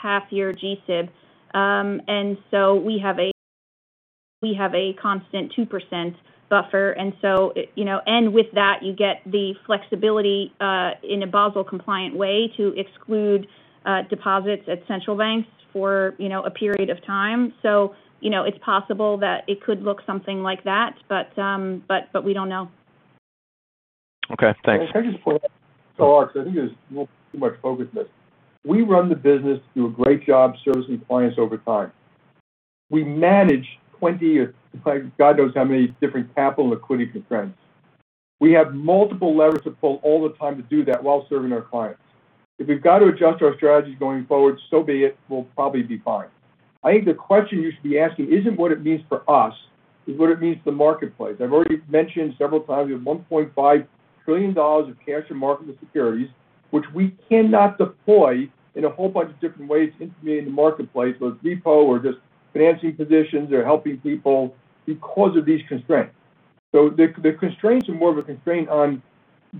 [SPEAKER 2] half year G-SIB. We have a constant 2% buffer. With that, you get the flexibility in a Basel compliant way to exclude deposits at central banks for a period of time. It's possible that it could look something like that, but we don't know.
[SPEAKER 10] Okay, thanks.
[SPEAKER 4] Can I just put SLR because I think there's too much focus missed. We run the business to do a great job servicing clients over time. We manage 20 or God knows how many different capital liquidity constraints. We have multiple levers to pull all the time to do that while serving our clients. If we've got to adjust our strategies going forward, so be it. We'll probably be fine. I think the question you should be asking isn't what it means for us, it's what it means for the marketplace. I've already mentioned several times, we have $1.5 trillion of cash and marketable securities, which we cannot deploy in a whole bunch of different ways into the marketplace, whether it's repo or just financing positions or helping people because of these constraints. The constraints are more of a constraint on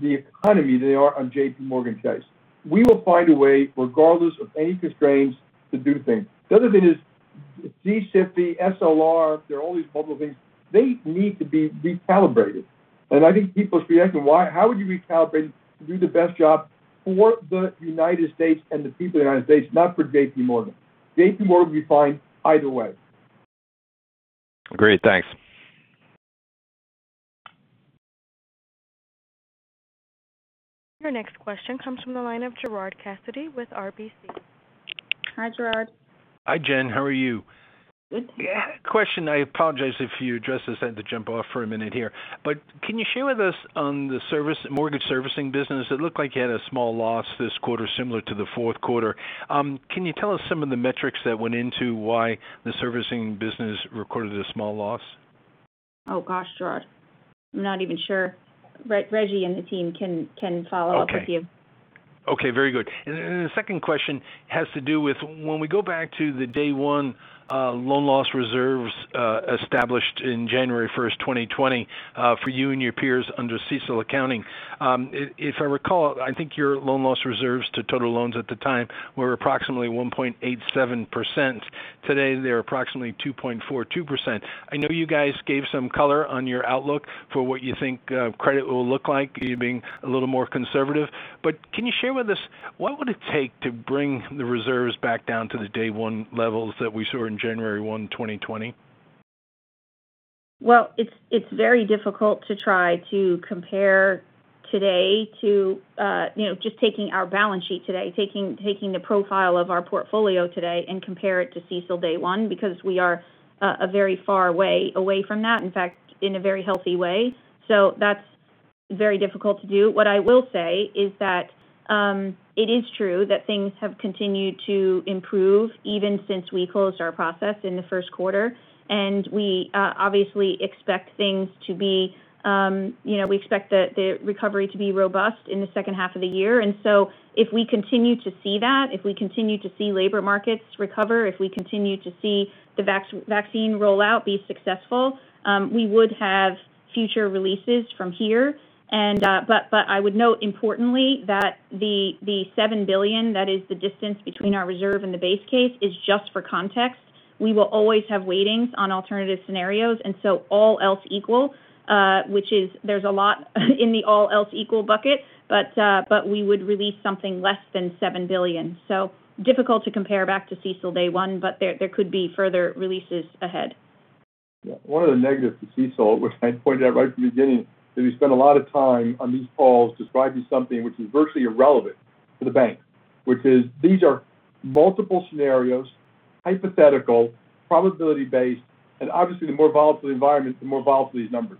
[SPEAKER 4] the economy than they are on JPMorganChase. We will find a way, regardless of any constraints, to do things. The other thing is G-SIB, SLR, there are all these bubble things. They need to be recalibrated. I think people should be asking how would you recalibrate to do the best job for the United States and the people of the United States, not for JPMorgan. JPMorgan will be fine either way.
[SPEAKER 10] Great. Thanks.
[SPEAKER 1] Your next question comes from the line of Gerard Cassidy with RBC.
[SPEAKER 2] Hi, Gerard.
[SPEAKER 11] Hi, Jen. How are you?
[SPEAKER 2] Good.
[SPEAKER 11] Question, I apologize if you addressed this. I had to jump off for a minute here. Can you share with us on the mortgage servicing business? It looked like you had a small loss this quarter, similar to the fourth quarter. Can you tell us some of the metrics that went into why the servicing business recorded a small loss?
[SPEAKER 2] Oh, gosh, Gerard. I'm not even sure. Reggie and the team can follow up with you.
[SPEAKER 11] Okay. Very good. The second question has to do with when we go back to the day one loan loss reserves established in January 1, 2020, for you and your peers under CECL accounting. If I recall, I think your loan loss reserves to total loans at the time were approximately 1.87%. Today, they're approximately 2.42%. I know you guys gave some color on your outlook for what you think credit will look like, you being a little more conservative. Can you share with us what would it take to bring the reserves back down to the day one levels that we saw in January 1, 2020?
[SPEAKER 2] Well, it's very difficult to try to compare today to just taking our balance sheet today, taking the profile of our portfolio today and compare it to CECL day one because we are a very far way away from that, in fact, in a very healthy way. That's very difficult to do. What I will say is that it is true that things have continued to improve even since we closed our process in the first quarter, and we obviously expect the recovery to be robust in the second half of the year. If we continue to see that, if we continue to see labor markets recover, if we continue to see the vaccine rollout be successful, we would have future releases from here. I would note importantly that the $7 billion, that is the distance between our reserve and the base case, is just for context. We will always have weightings on alternative scenarios, and so all else equal, which is there's a lot in the all else equal bucket, but we would release something less than $7 billion. Difficult to compare back to CECL day one, but there could be further releases ahead.
[SPEAKER 4] One of the negatives to CECL, which I pointed out right from the beginning, is we spend a lot of time on these calls describing something which is virtually irrelevant to the bank, which is these are multiple scenarios, hypothetical, probability-based, and obviously the more volatile the environment, the more volatile these numbers.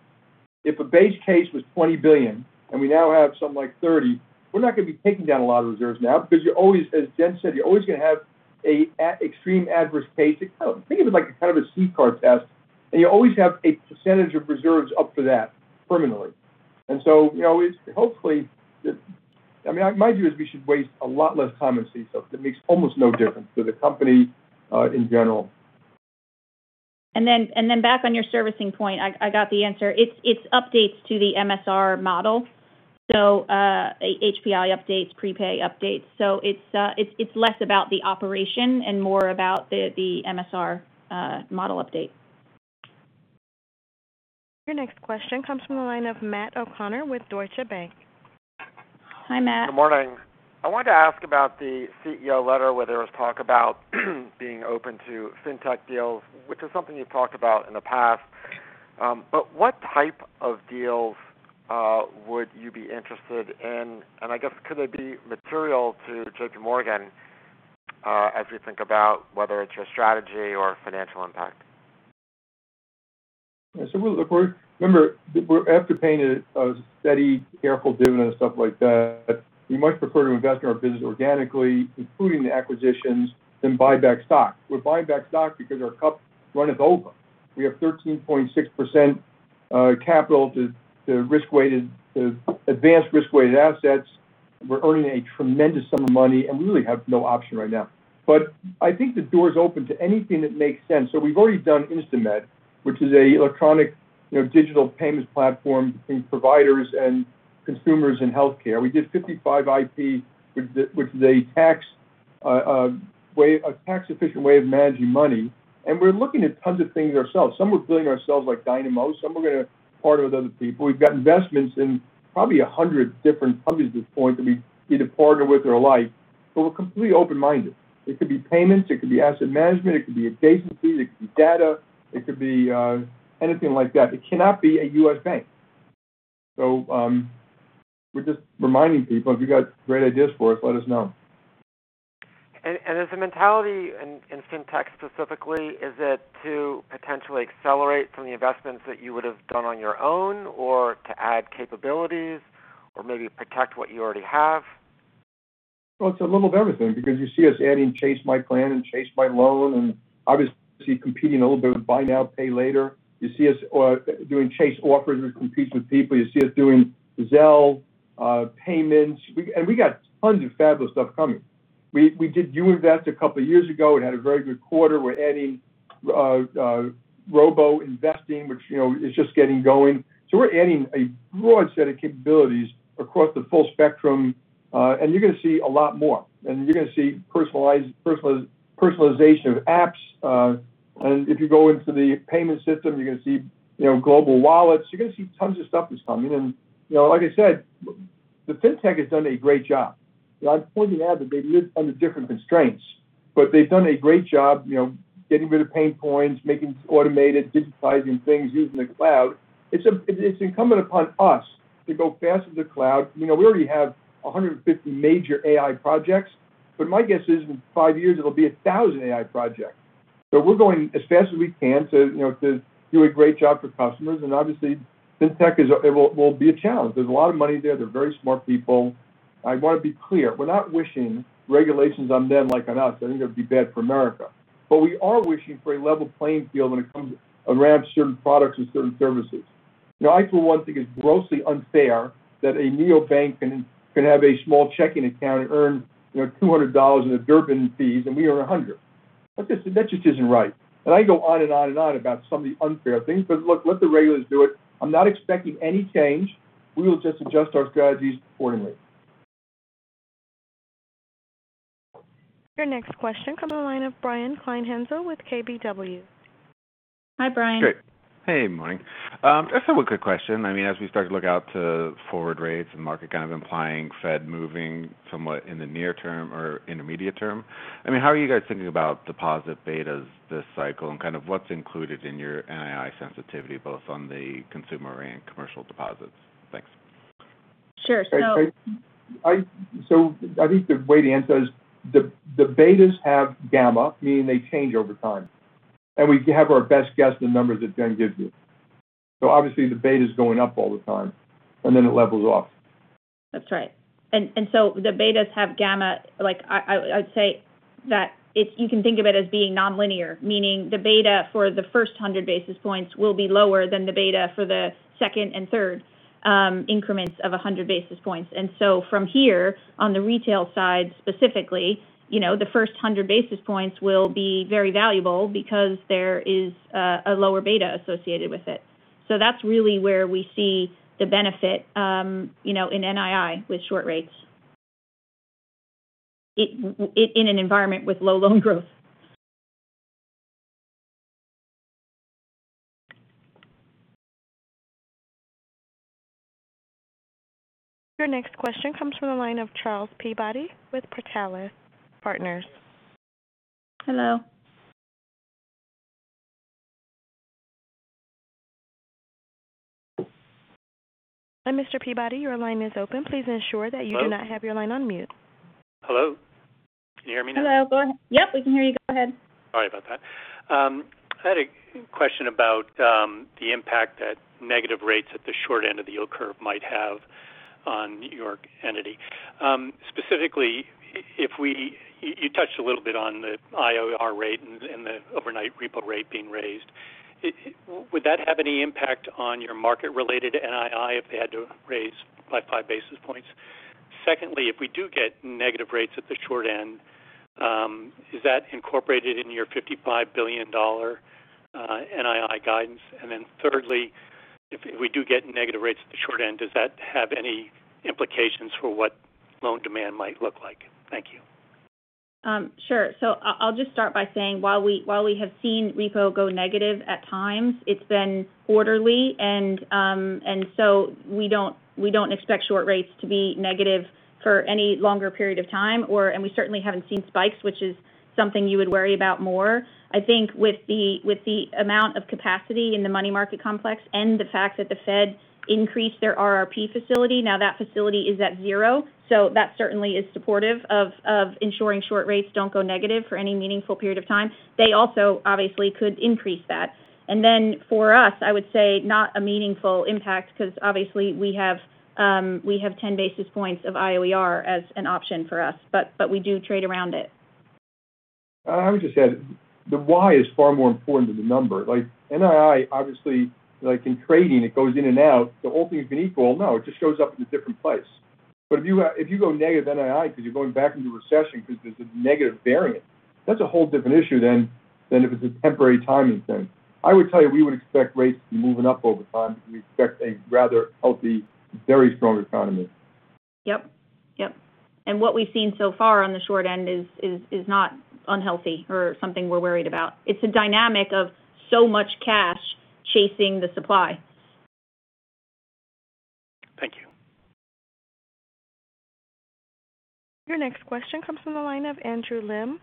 [SPEAKER 4] If a base case was $20 billion and we now have something like $30, we're not going to be taking down a lot of reserves now because as Jen said, you're always going to have an extreme adverse case. Think of it like a kind of a CCAR test. You always have a percentage of reserves up for that permanently. Hopefully, my view is we should waste a lot less time in CECL because it makes almost no difference to the company, in general.
[SPEAKER 2] Back on your servicing point, I got the answer. It's updates to the MSR model. HPI updates, prepay updates. It's less about the operation and more about the MSR model update.
[SPEAKER 1] Your next question comes from the line of Matt O'Connor with Deutsche Bank.
[SPEAKER 2] Hi, Matt.
[SPEAKER 12] Good morning. I wanted to ask about the CEO letter, where there was talk about being open to fintech deals, which is something you've talked about in the past. What type of deals would you be interested in? I guess could they be material to JPMorgan, as we think about whether it's your strategy or financial impact?
[SPEAKER 4] Yeah. Remember, after paying a steady, careful dividend and stuff like that, we much prefer to invest in our business organically, including the acquisitions than buy back stock. We're buying back stock because our cup runneth over. We have 13.6% capital to advanced risk-weighted assets. We're earning a tremendous sum of money, and we really have no option right now. I think the door's open to anything that makes sense. We've already done InstaMed, which is an electronic digital payments platform between providers and consumers in healthcare. We did 55ip, which is a tax-efficient way of managing money, and we're looking at tons of things ourselves. Some we're doing ourselves like Dynamo. Some we're going to partner with other people. We've got investments in probably 100 different companies at this point that we either partner with or like, but we're completely open-minded. It could be payments, it could be asset management, it could be adjacencies, it could be data, it could be anything like that. It cannot be a U.S. bank. We're just reminding people, if you got great ideas for us, let us know.
[SPEAKER 12] As a mentality in fintech specifically, is it to potentially accelerate some of the investments that you would have done on your own or to add capabilities or maybe protect what you already have?
[SPEAKER 4] It's a little of everything because you see us adding My Chase Plan and My Chase Loan, and obviously you see competing a little bit with buy now, pay later. You see us doing Chase Offers which competes with people. You see us doing Zelle. We got tons of fabulous stuff coming. We did You Invest a couple of years ago and had a very good quarter. We're adding robo-investing, which is just getting going. We're adding a broad set of capabilities across the full spectrum. You're going to see a lot more, and you're going to see personalization of apps. If you go into the payment system, you're going to see global wallets. You're going to see tons of stuff that's coming in. Like I said, the fintech has done a great job. I'm pointing out that they live under different constraints, but they've done a great job getting rid of pain points, making automated, digitizing things, using the cloud. It's incumbent upon us to go faster to the cloud. We already have 150 major AI projects, but my guess is in five years it'll be 1,000 AI projects. We're going as fast as we can to do a great job for customers. Obviously, fintech will be a challenge. There's a lot of money there. They're very smart people. I want to be clear. We're not wishing regulations on them like on us. I think that'd be bad for America. We are wishing for a level playing field when it comes around certain products and certain services. I, for one, think it's grossly unfair that a neobank can have a small checking account and earn $200 in exorbitant fees, and we earn $100. That just isn't right. I can go on and on and on about some of the unfair things. Look, let the regulators do it. I'm not expecting any change. We will just adjust our strategies accordingly.
[SPEAKER 1] Your next question comes on the line of Brian Kleinhanzl with KBW.
[SPEAKER 2] Hi, Brian.
[SPEAKER 4] Great.
[SPEAKER 13] Hey, morning. I just have a quick question. As we start to look out to forward rates and market kind of implying Fed moving somewhat in the near term or intermediate term, how are you guys thinking about deposit betas this cycle and kind of what's included in your NII sensitivity, both on the consumer and commercial deposits? Thanks.
[SPEAKER 2] Sure.
[SPEAKER 4] I think the way to answer is the betas have gamma, meaning they change over time. We have our best guess, the numbers that Jen gives you. Obviously the beta's going up all the time, and then it levels off.
[SPEAKER 2] That's right. The betas have gamma. I'd say that you can think of it as being nonlinear, meaning the beta for the first 100 basis points will be lower than the beta for the second and third increments of 100 basis points. From here, on the retail side specifically, the first 100 basis points will be very valuable because there is a lower beta associated with it. That's really where we see the benefit in NII with short rates in an environment with low loan growth.
[SPEAKER 1] Your next question comes from the line of Charles Peabody with Portales Partners.
[SPEAKER 2] Hello.
[SPEAKER 1] Mr. Peabody, your line is open. Please ensure that you do not have your line on mute.
[SPEAKER 14] Hello? Can you hear me now?
[SPEAKER 2] Hello. Go ahead. Yep, we can hear you. Go ahead.
[SPEAKER 14] Sorry about that. I had a question about the impact that negative rates at the short end of the yield curve might have on your entity. Specifically, you touched a little bit on the IOR rate and the overnight repo rate being raised. Would that have any impact on your market-related NII if they had to raise by five basis points? Secondly, if we do get negative rates at the short end, is that incorporated in your $55 billion NII guidance? Thirdly, if we do get negative rates at the short end, does that have any implications for what loan demand might look like? Thank you.
[SPEAKER 2] Sure. I'll just start by saying while we have seen repo go negative at times, it's been quarterly. We don't expect short rates to be negative for any longer period of time, and we certainly haven't seen spikes, which is something you would worry about more. I think with the amount of capacity in the money market complex and the fact that the Fed increased their RRP facility, now that facility is at zero. That certainly is supportive of ensuring short rates don't go negative for any meaningful period of time. They also obviously could increase that. Then for us, I would say not a meaningful impact because obviously we have 10 basis points of IOR as an option for us. We do trade around it.
[SPEAKER 4] I would just add the why is far more important than the number. NII, obviously, like in trading, it goes in and out. All things being equal, no, it just shows up in a different place. If you go negative NII because you're going back into recession because there's a negative variant, that's a whole different issue than if it's a temporary timing thing. I would tell you, we would expect rates to be moving up over time. We expect a rather healthy, very strong economy.
[SPEAKER 2] Yep. What we've seen so far on the short end is not unhealthy or something we're worried about. It's a dynamic of so much cash chasing the supply.
[SPEAKER 14] Thank you.
[SPEAKER 1] Your next question comes from the line of Andrew Lim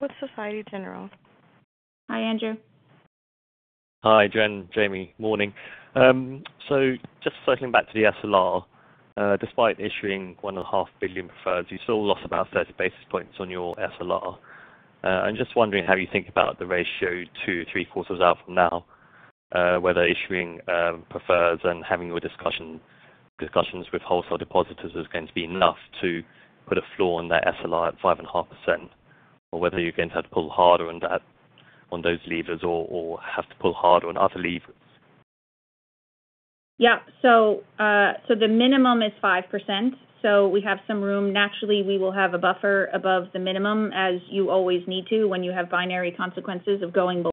[SPEAKER 1] with Société Générale.
[SPEAKER 2] Hi, Andrew.
[SPEAKER 15] Hi, Jen, Jamie. Morning. Just circling back to the SLR. Despite issuing one and a half billion preferreds, you still lost about 30 basis points on your SLR. I'm just wondering how you think about the ratio two, three quarters out from now, whether issuing preferreds and having your discussions with wholesale depositors is going to be enough to put a floor on that SLR at 5.5%, or whether you're going to have to pull harder on those levers or have to pull harder on other levers.
[SPEAKER 2] The minimum is 5%. We have some room. Naturally, we will have a buffer above the minimum, as you always need to when you have binary consequences of going below.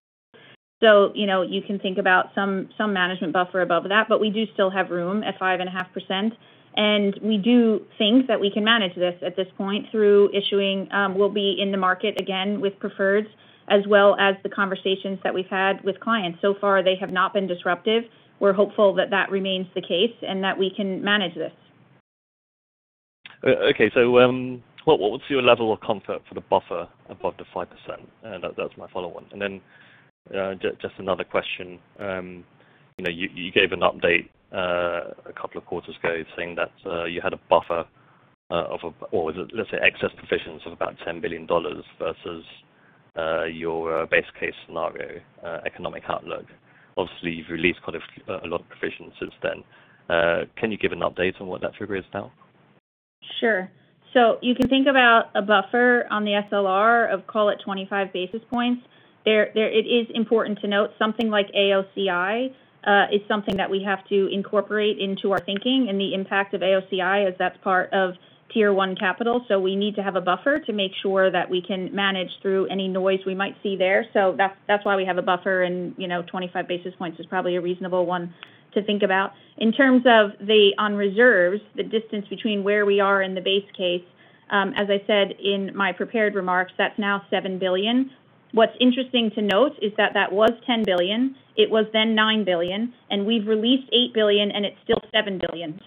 [SPEAKER 2] You can think about some management buffer above that, but we do still have room at 5.5%, and we do think that we can manage this at this point through issuing. We'll be in the market again with preferreds as well as the conversations that we've had with clients. So far, they have not been disruptive. We're hopeful that that remains the case and that we can manage this.
[SPEAKER 15] Okay. What's your level of comfort for the buffer above the 5%? That's my follow-up. Just another question. You gave an update a couple of quarters ago saying that you had a buffer of, or let's say excess provisions of about $10 billion versus. Your base case scenario economic outlook. Obviously, you've released quite a lot of provisions since then. Can you give an update on what that figure is now?
[SPEAKER 2] Sure. You can think about a buffer on the SLR of call it 25 basis points. It is important to note something like AOCI is something that we have to incorporate into our thinking, and the impact of AOCI as that's part of Tier 1 capital. We need to have a buffer to make sure that we can manage through any noise we might see there. That's why we have a buffer and 25 basis points is probably a reasonable one to think about. In terms of on reserves, the distance between where we are in the base case, as I said in my prepared remarks, that's now $7 billion. What's interesting to note is that that was $10 billion, it was then $9 billion, and we've released $8 billion, and it's still $7 billion.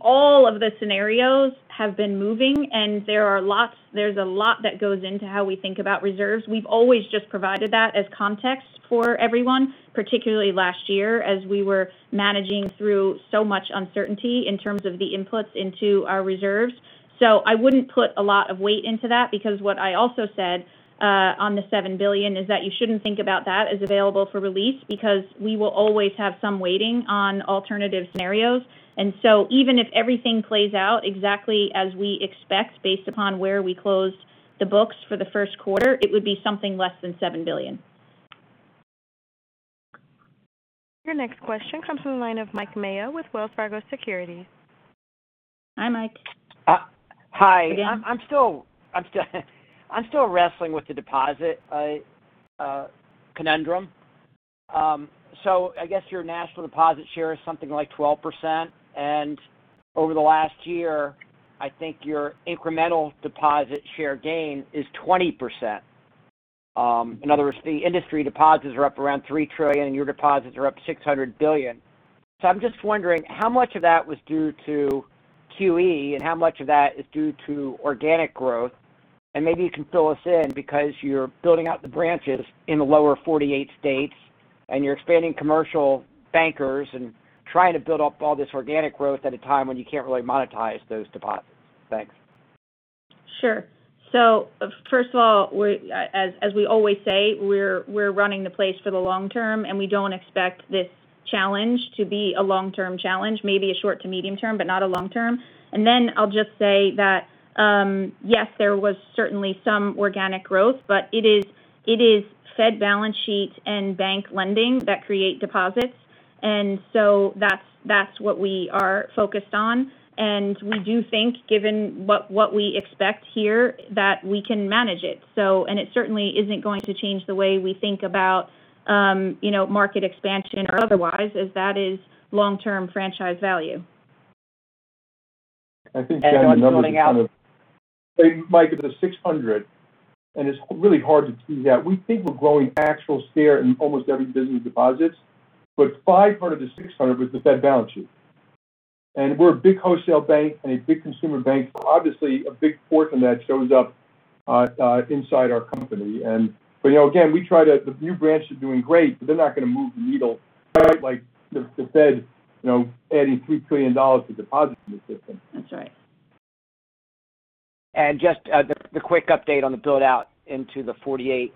[SPEAKER 2] All of the scenarios have been moving, and there's a lot that goes into how we think about reserves. We've always just provided that as context for everyone, particularly last year, as we were managing through so much uncertainty in terms of the inputs into our reserves. I wouldn't put a lot of weight into that because what I also said on the $7 billion is that you shouldn't think about that as available for release because we will always have some waiting on alternative scenarios. Even if everything plays out exactly as we expect based upon where we closed the books for the first quarter, it would be something less than $7 billion.
[SPEAKER 1] Your next question comes from the line of Mike Mayo with Wells Fargo Securities.
[SPEAKER 2] Hi, Mike.
[SPEAKER 9] Hi.
[SPEAKER 2] Good evening.
[SPEAKER 9] I'm still wrestling with the deposit conundrum. I guess your national deposit share is something like 12%, and over the last year, I think your incremental deposit share gain is 20%. In other words, the industry deposits are up around $3 trillion, and your deposits are up $600 billion. I'm just wondering how much of that was due to QE and how much of that is due to organic growth. Maybe you can fill us in because you're building out the branches in the lower 48 states, and you're expanding commercial bankers and trying to build up all this organic growth at a time when you can't really monetize those deposits. Thanks.
[SPEAKER 2] Sure. First of all, as we always say, we're running the place for the long term, and we don't expect this challenge to be a long-term challenge, maybe a short to medium term, but not a long term. I'll just say that, yes, there was certainly some organic growth, but it is Fed balance sheet and bank lending that create deposits. That's what we are focused on. We do think, given what we expect here, that we can manage it. It certainly isn't going to change the way we think about market expansion or otherwise, as that is long-term franchise value.
[SPEAKER 4] I think, Jen, the numbers kind of
[SPEAKER 9] Just building out-
[SPEAKER 4] Mike, the 600, and it's really hard to tease out. We think we're growing actual share in almost every business deposits, but $500-$600 was the Fed balance sheet. We're a big wholesale bank and a big consumer bank, so obviously a big portion that shows up inside our company. Again, the new branches are doing great, but they're not going to move the needle quite like the Fed adding $3 trillion to deposits in the system.
[SPEAKER 2] That's right.
[SPEAKER 9] Just the quick update on the build-out into the 48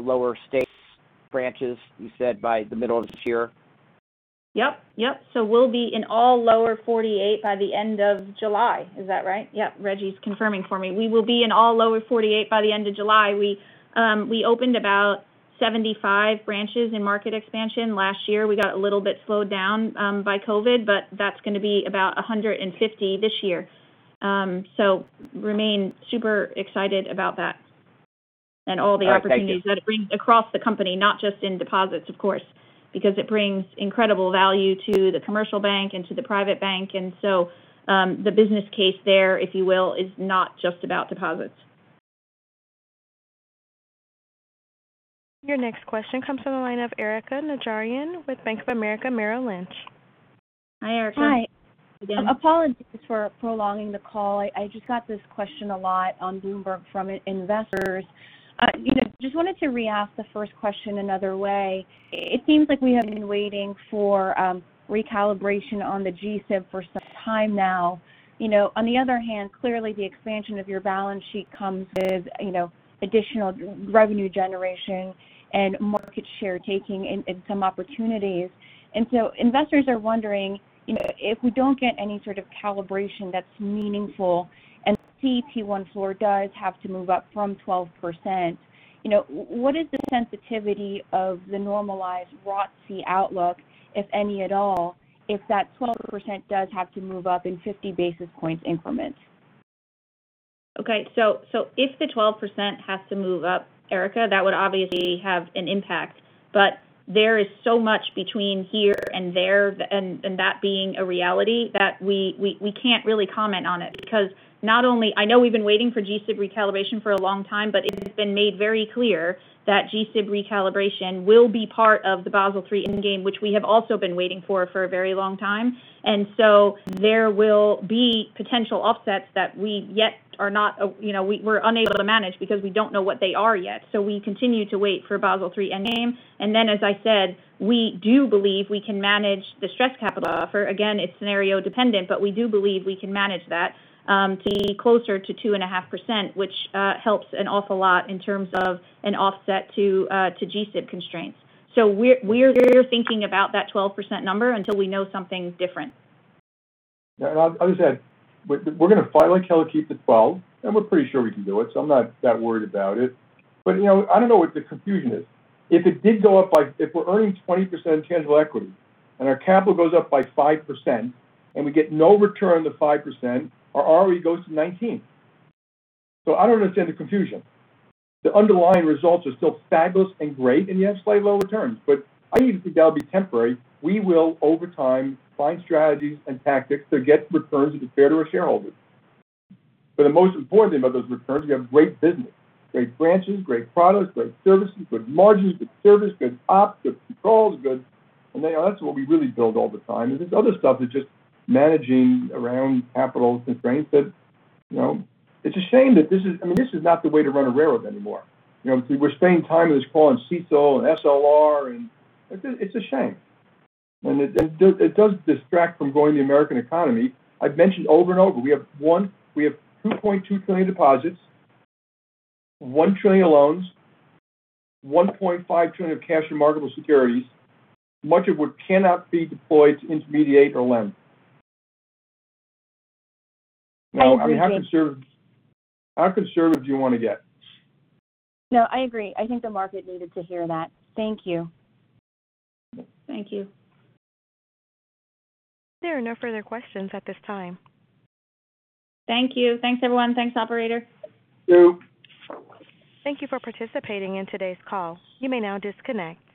[SPEAKER 9] lower states branches you said by the middle of this year.
[SPEAKER 2] Yep. We'll be in all lower 48 by the end of July. Is that right? Yep. Reggie's confirming for me. We will be in all lower 48 by the end of July. We opened about 75 branches in market expansion last year. We got a little bit slowed down by COVID, but that's going to be about 150 this year. Remain super excited about that and all the opportunities.
[SPEAKER 9] All right. Thank you.
[SPEAKER 2] that it brings across the company, not just in deposits, of course, because it brings incredible value to the commercial bank and to the private bank. The business case there, if you will, is not just about deposits.
[SPEAKER 1] Your next question comes from the line of Erika Najarian with Bank of America Merrill Lynch.
[SPEAKER 2] Hi, Erika.
[SPEAKER 3] Hi.
[SPEAKER 2] Good evening.
[SPEAKER 3] Apologies for prolonging the call. I just got this question a lot on Bloomberg from investors. Just wanted to re-ask the first question another way. It seems like we have been waiting for recalibration on the GSIB for some time now. On the other hand, clearly the expansion of your balance sheet comes with additional revenue generation and market share taking and some opportunities. Investors are wondering if we don't get any sort of calibration that's meaningful and we see Tier 1 floor does have to move up from 12%, what is the sensitivity of the normalized ROTCE outlook, if any at all, if that 12% does have to move up in 50 basis points increments?
[SPEAKER 2] Okay. If the 12% has to move up, Erika, that would obviously have an impact. There is so much between here and there and that being a reality that we can't really comment on it because I know we've been waiting for GSIB recalibration for a long time, but it has been made very clear that GSIB recalibration will be part of the Basel III endgame, which we have also been waiting for for a very long time. There will be potential offsets that we're unable to manage because we don't know what they are yet. We continue to wait for Basel III endgame. Then, as I said, we do believe we can manage the stress capital buffer. It's scenario dependent, we do believe we can manage that to be closer to 2.5%, which helps an awful lot in terms of an offset to GSIB constraints. We're thinking about that 12% number until we know something different.
[SPEAKER 4] Yeah. Like I said, we're going to fight like hell to keep the 12, and we're pretty sure we can do it, I'm not that worried about it. I don't know what the confusion is. If we're earning 20% tangible equity and our capital goes up by 5% and we get no return on the 5%, our ROE goes to 19. I don't understand the confusion. The underlying results are still fabulous and great, yet slightly low returns. I even think that'll be temporary. We will, over time, find strategies and tactics to get returns that are fair to our shareholders. The most important thing about those returns, we have great business, great branches, great products, great services, good margins, good service, good ops, good controls. That's what we really build all the time, and there's other stuff that's just managing around capital constraints that it's a shame. This is not the way to run a railroad anymore. We're spending time on this call on CECL and SLR, and it's a shame. It does distract from growing the American economy. I've mentioned over and over, we have $2.2 trillion deposits, $1 trillion loans, $1.5 trillion of cash and marketable securities, much of which cannot be deployed to intermediate or lend. How conservative do you want to get?
[SPEAKER 2] No, I agree. I think the market needed to hear that. Thank you.
[SPEAKER 3] Thank you.
[SPEAKER 1] There are no further questions at this time.
[SPEAKER 2] Thank you. Thanks, everyone. Thanks, operator.
[SPEAKER 4] Thank you.
[SPEAKER 1] Thank you for participating in today's call. You may now disconnect.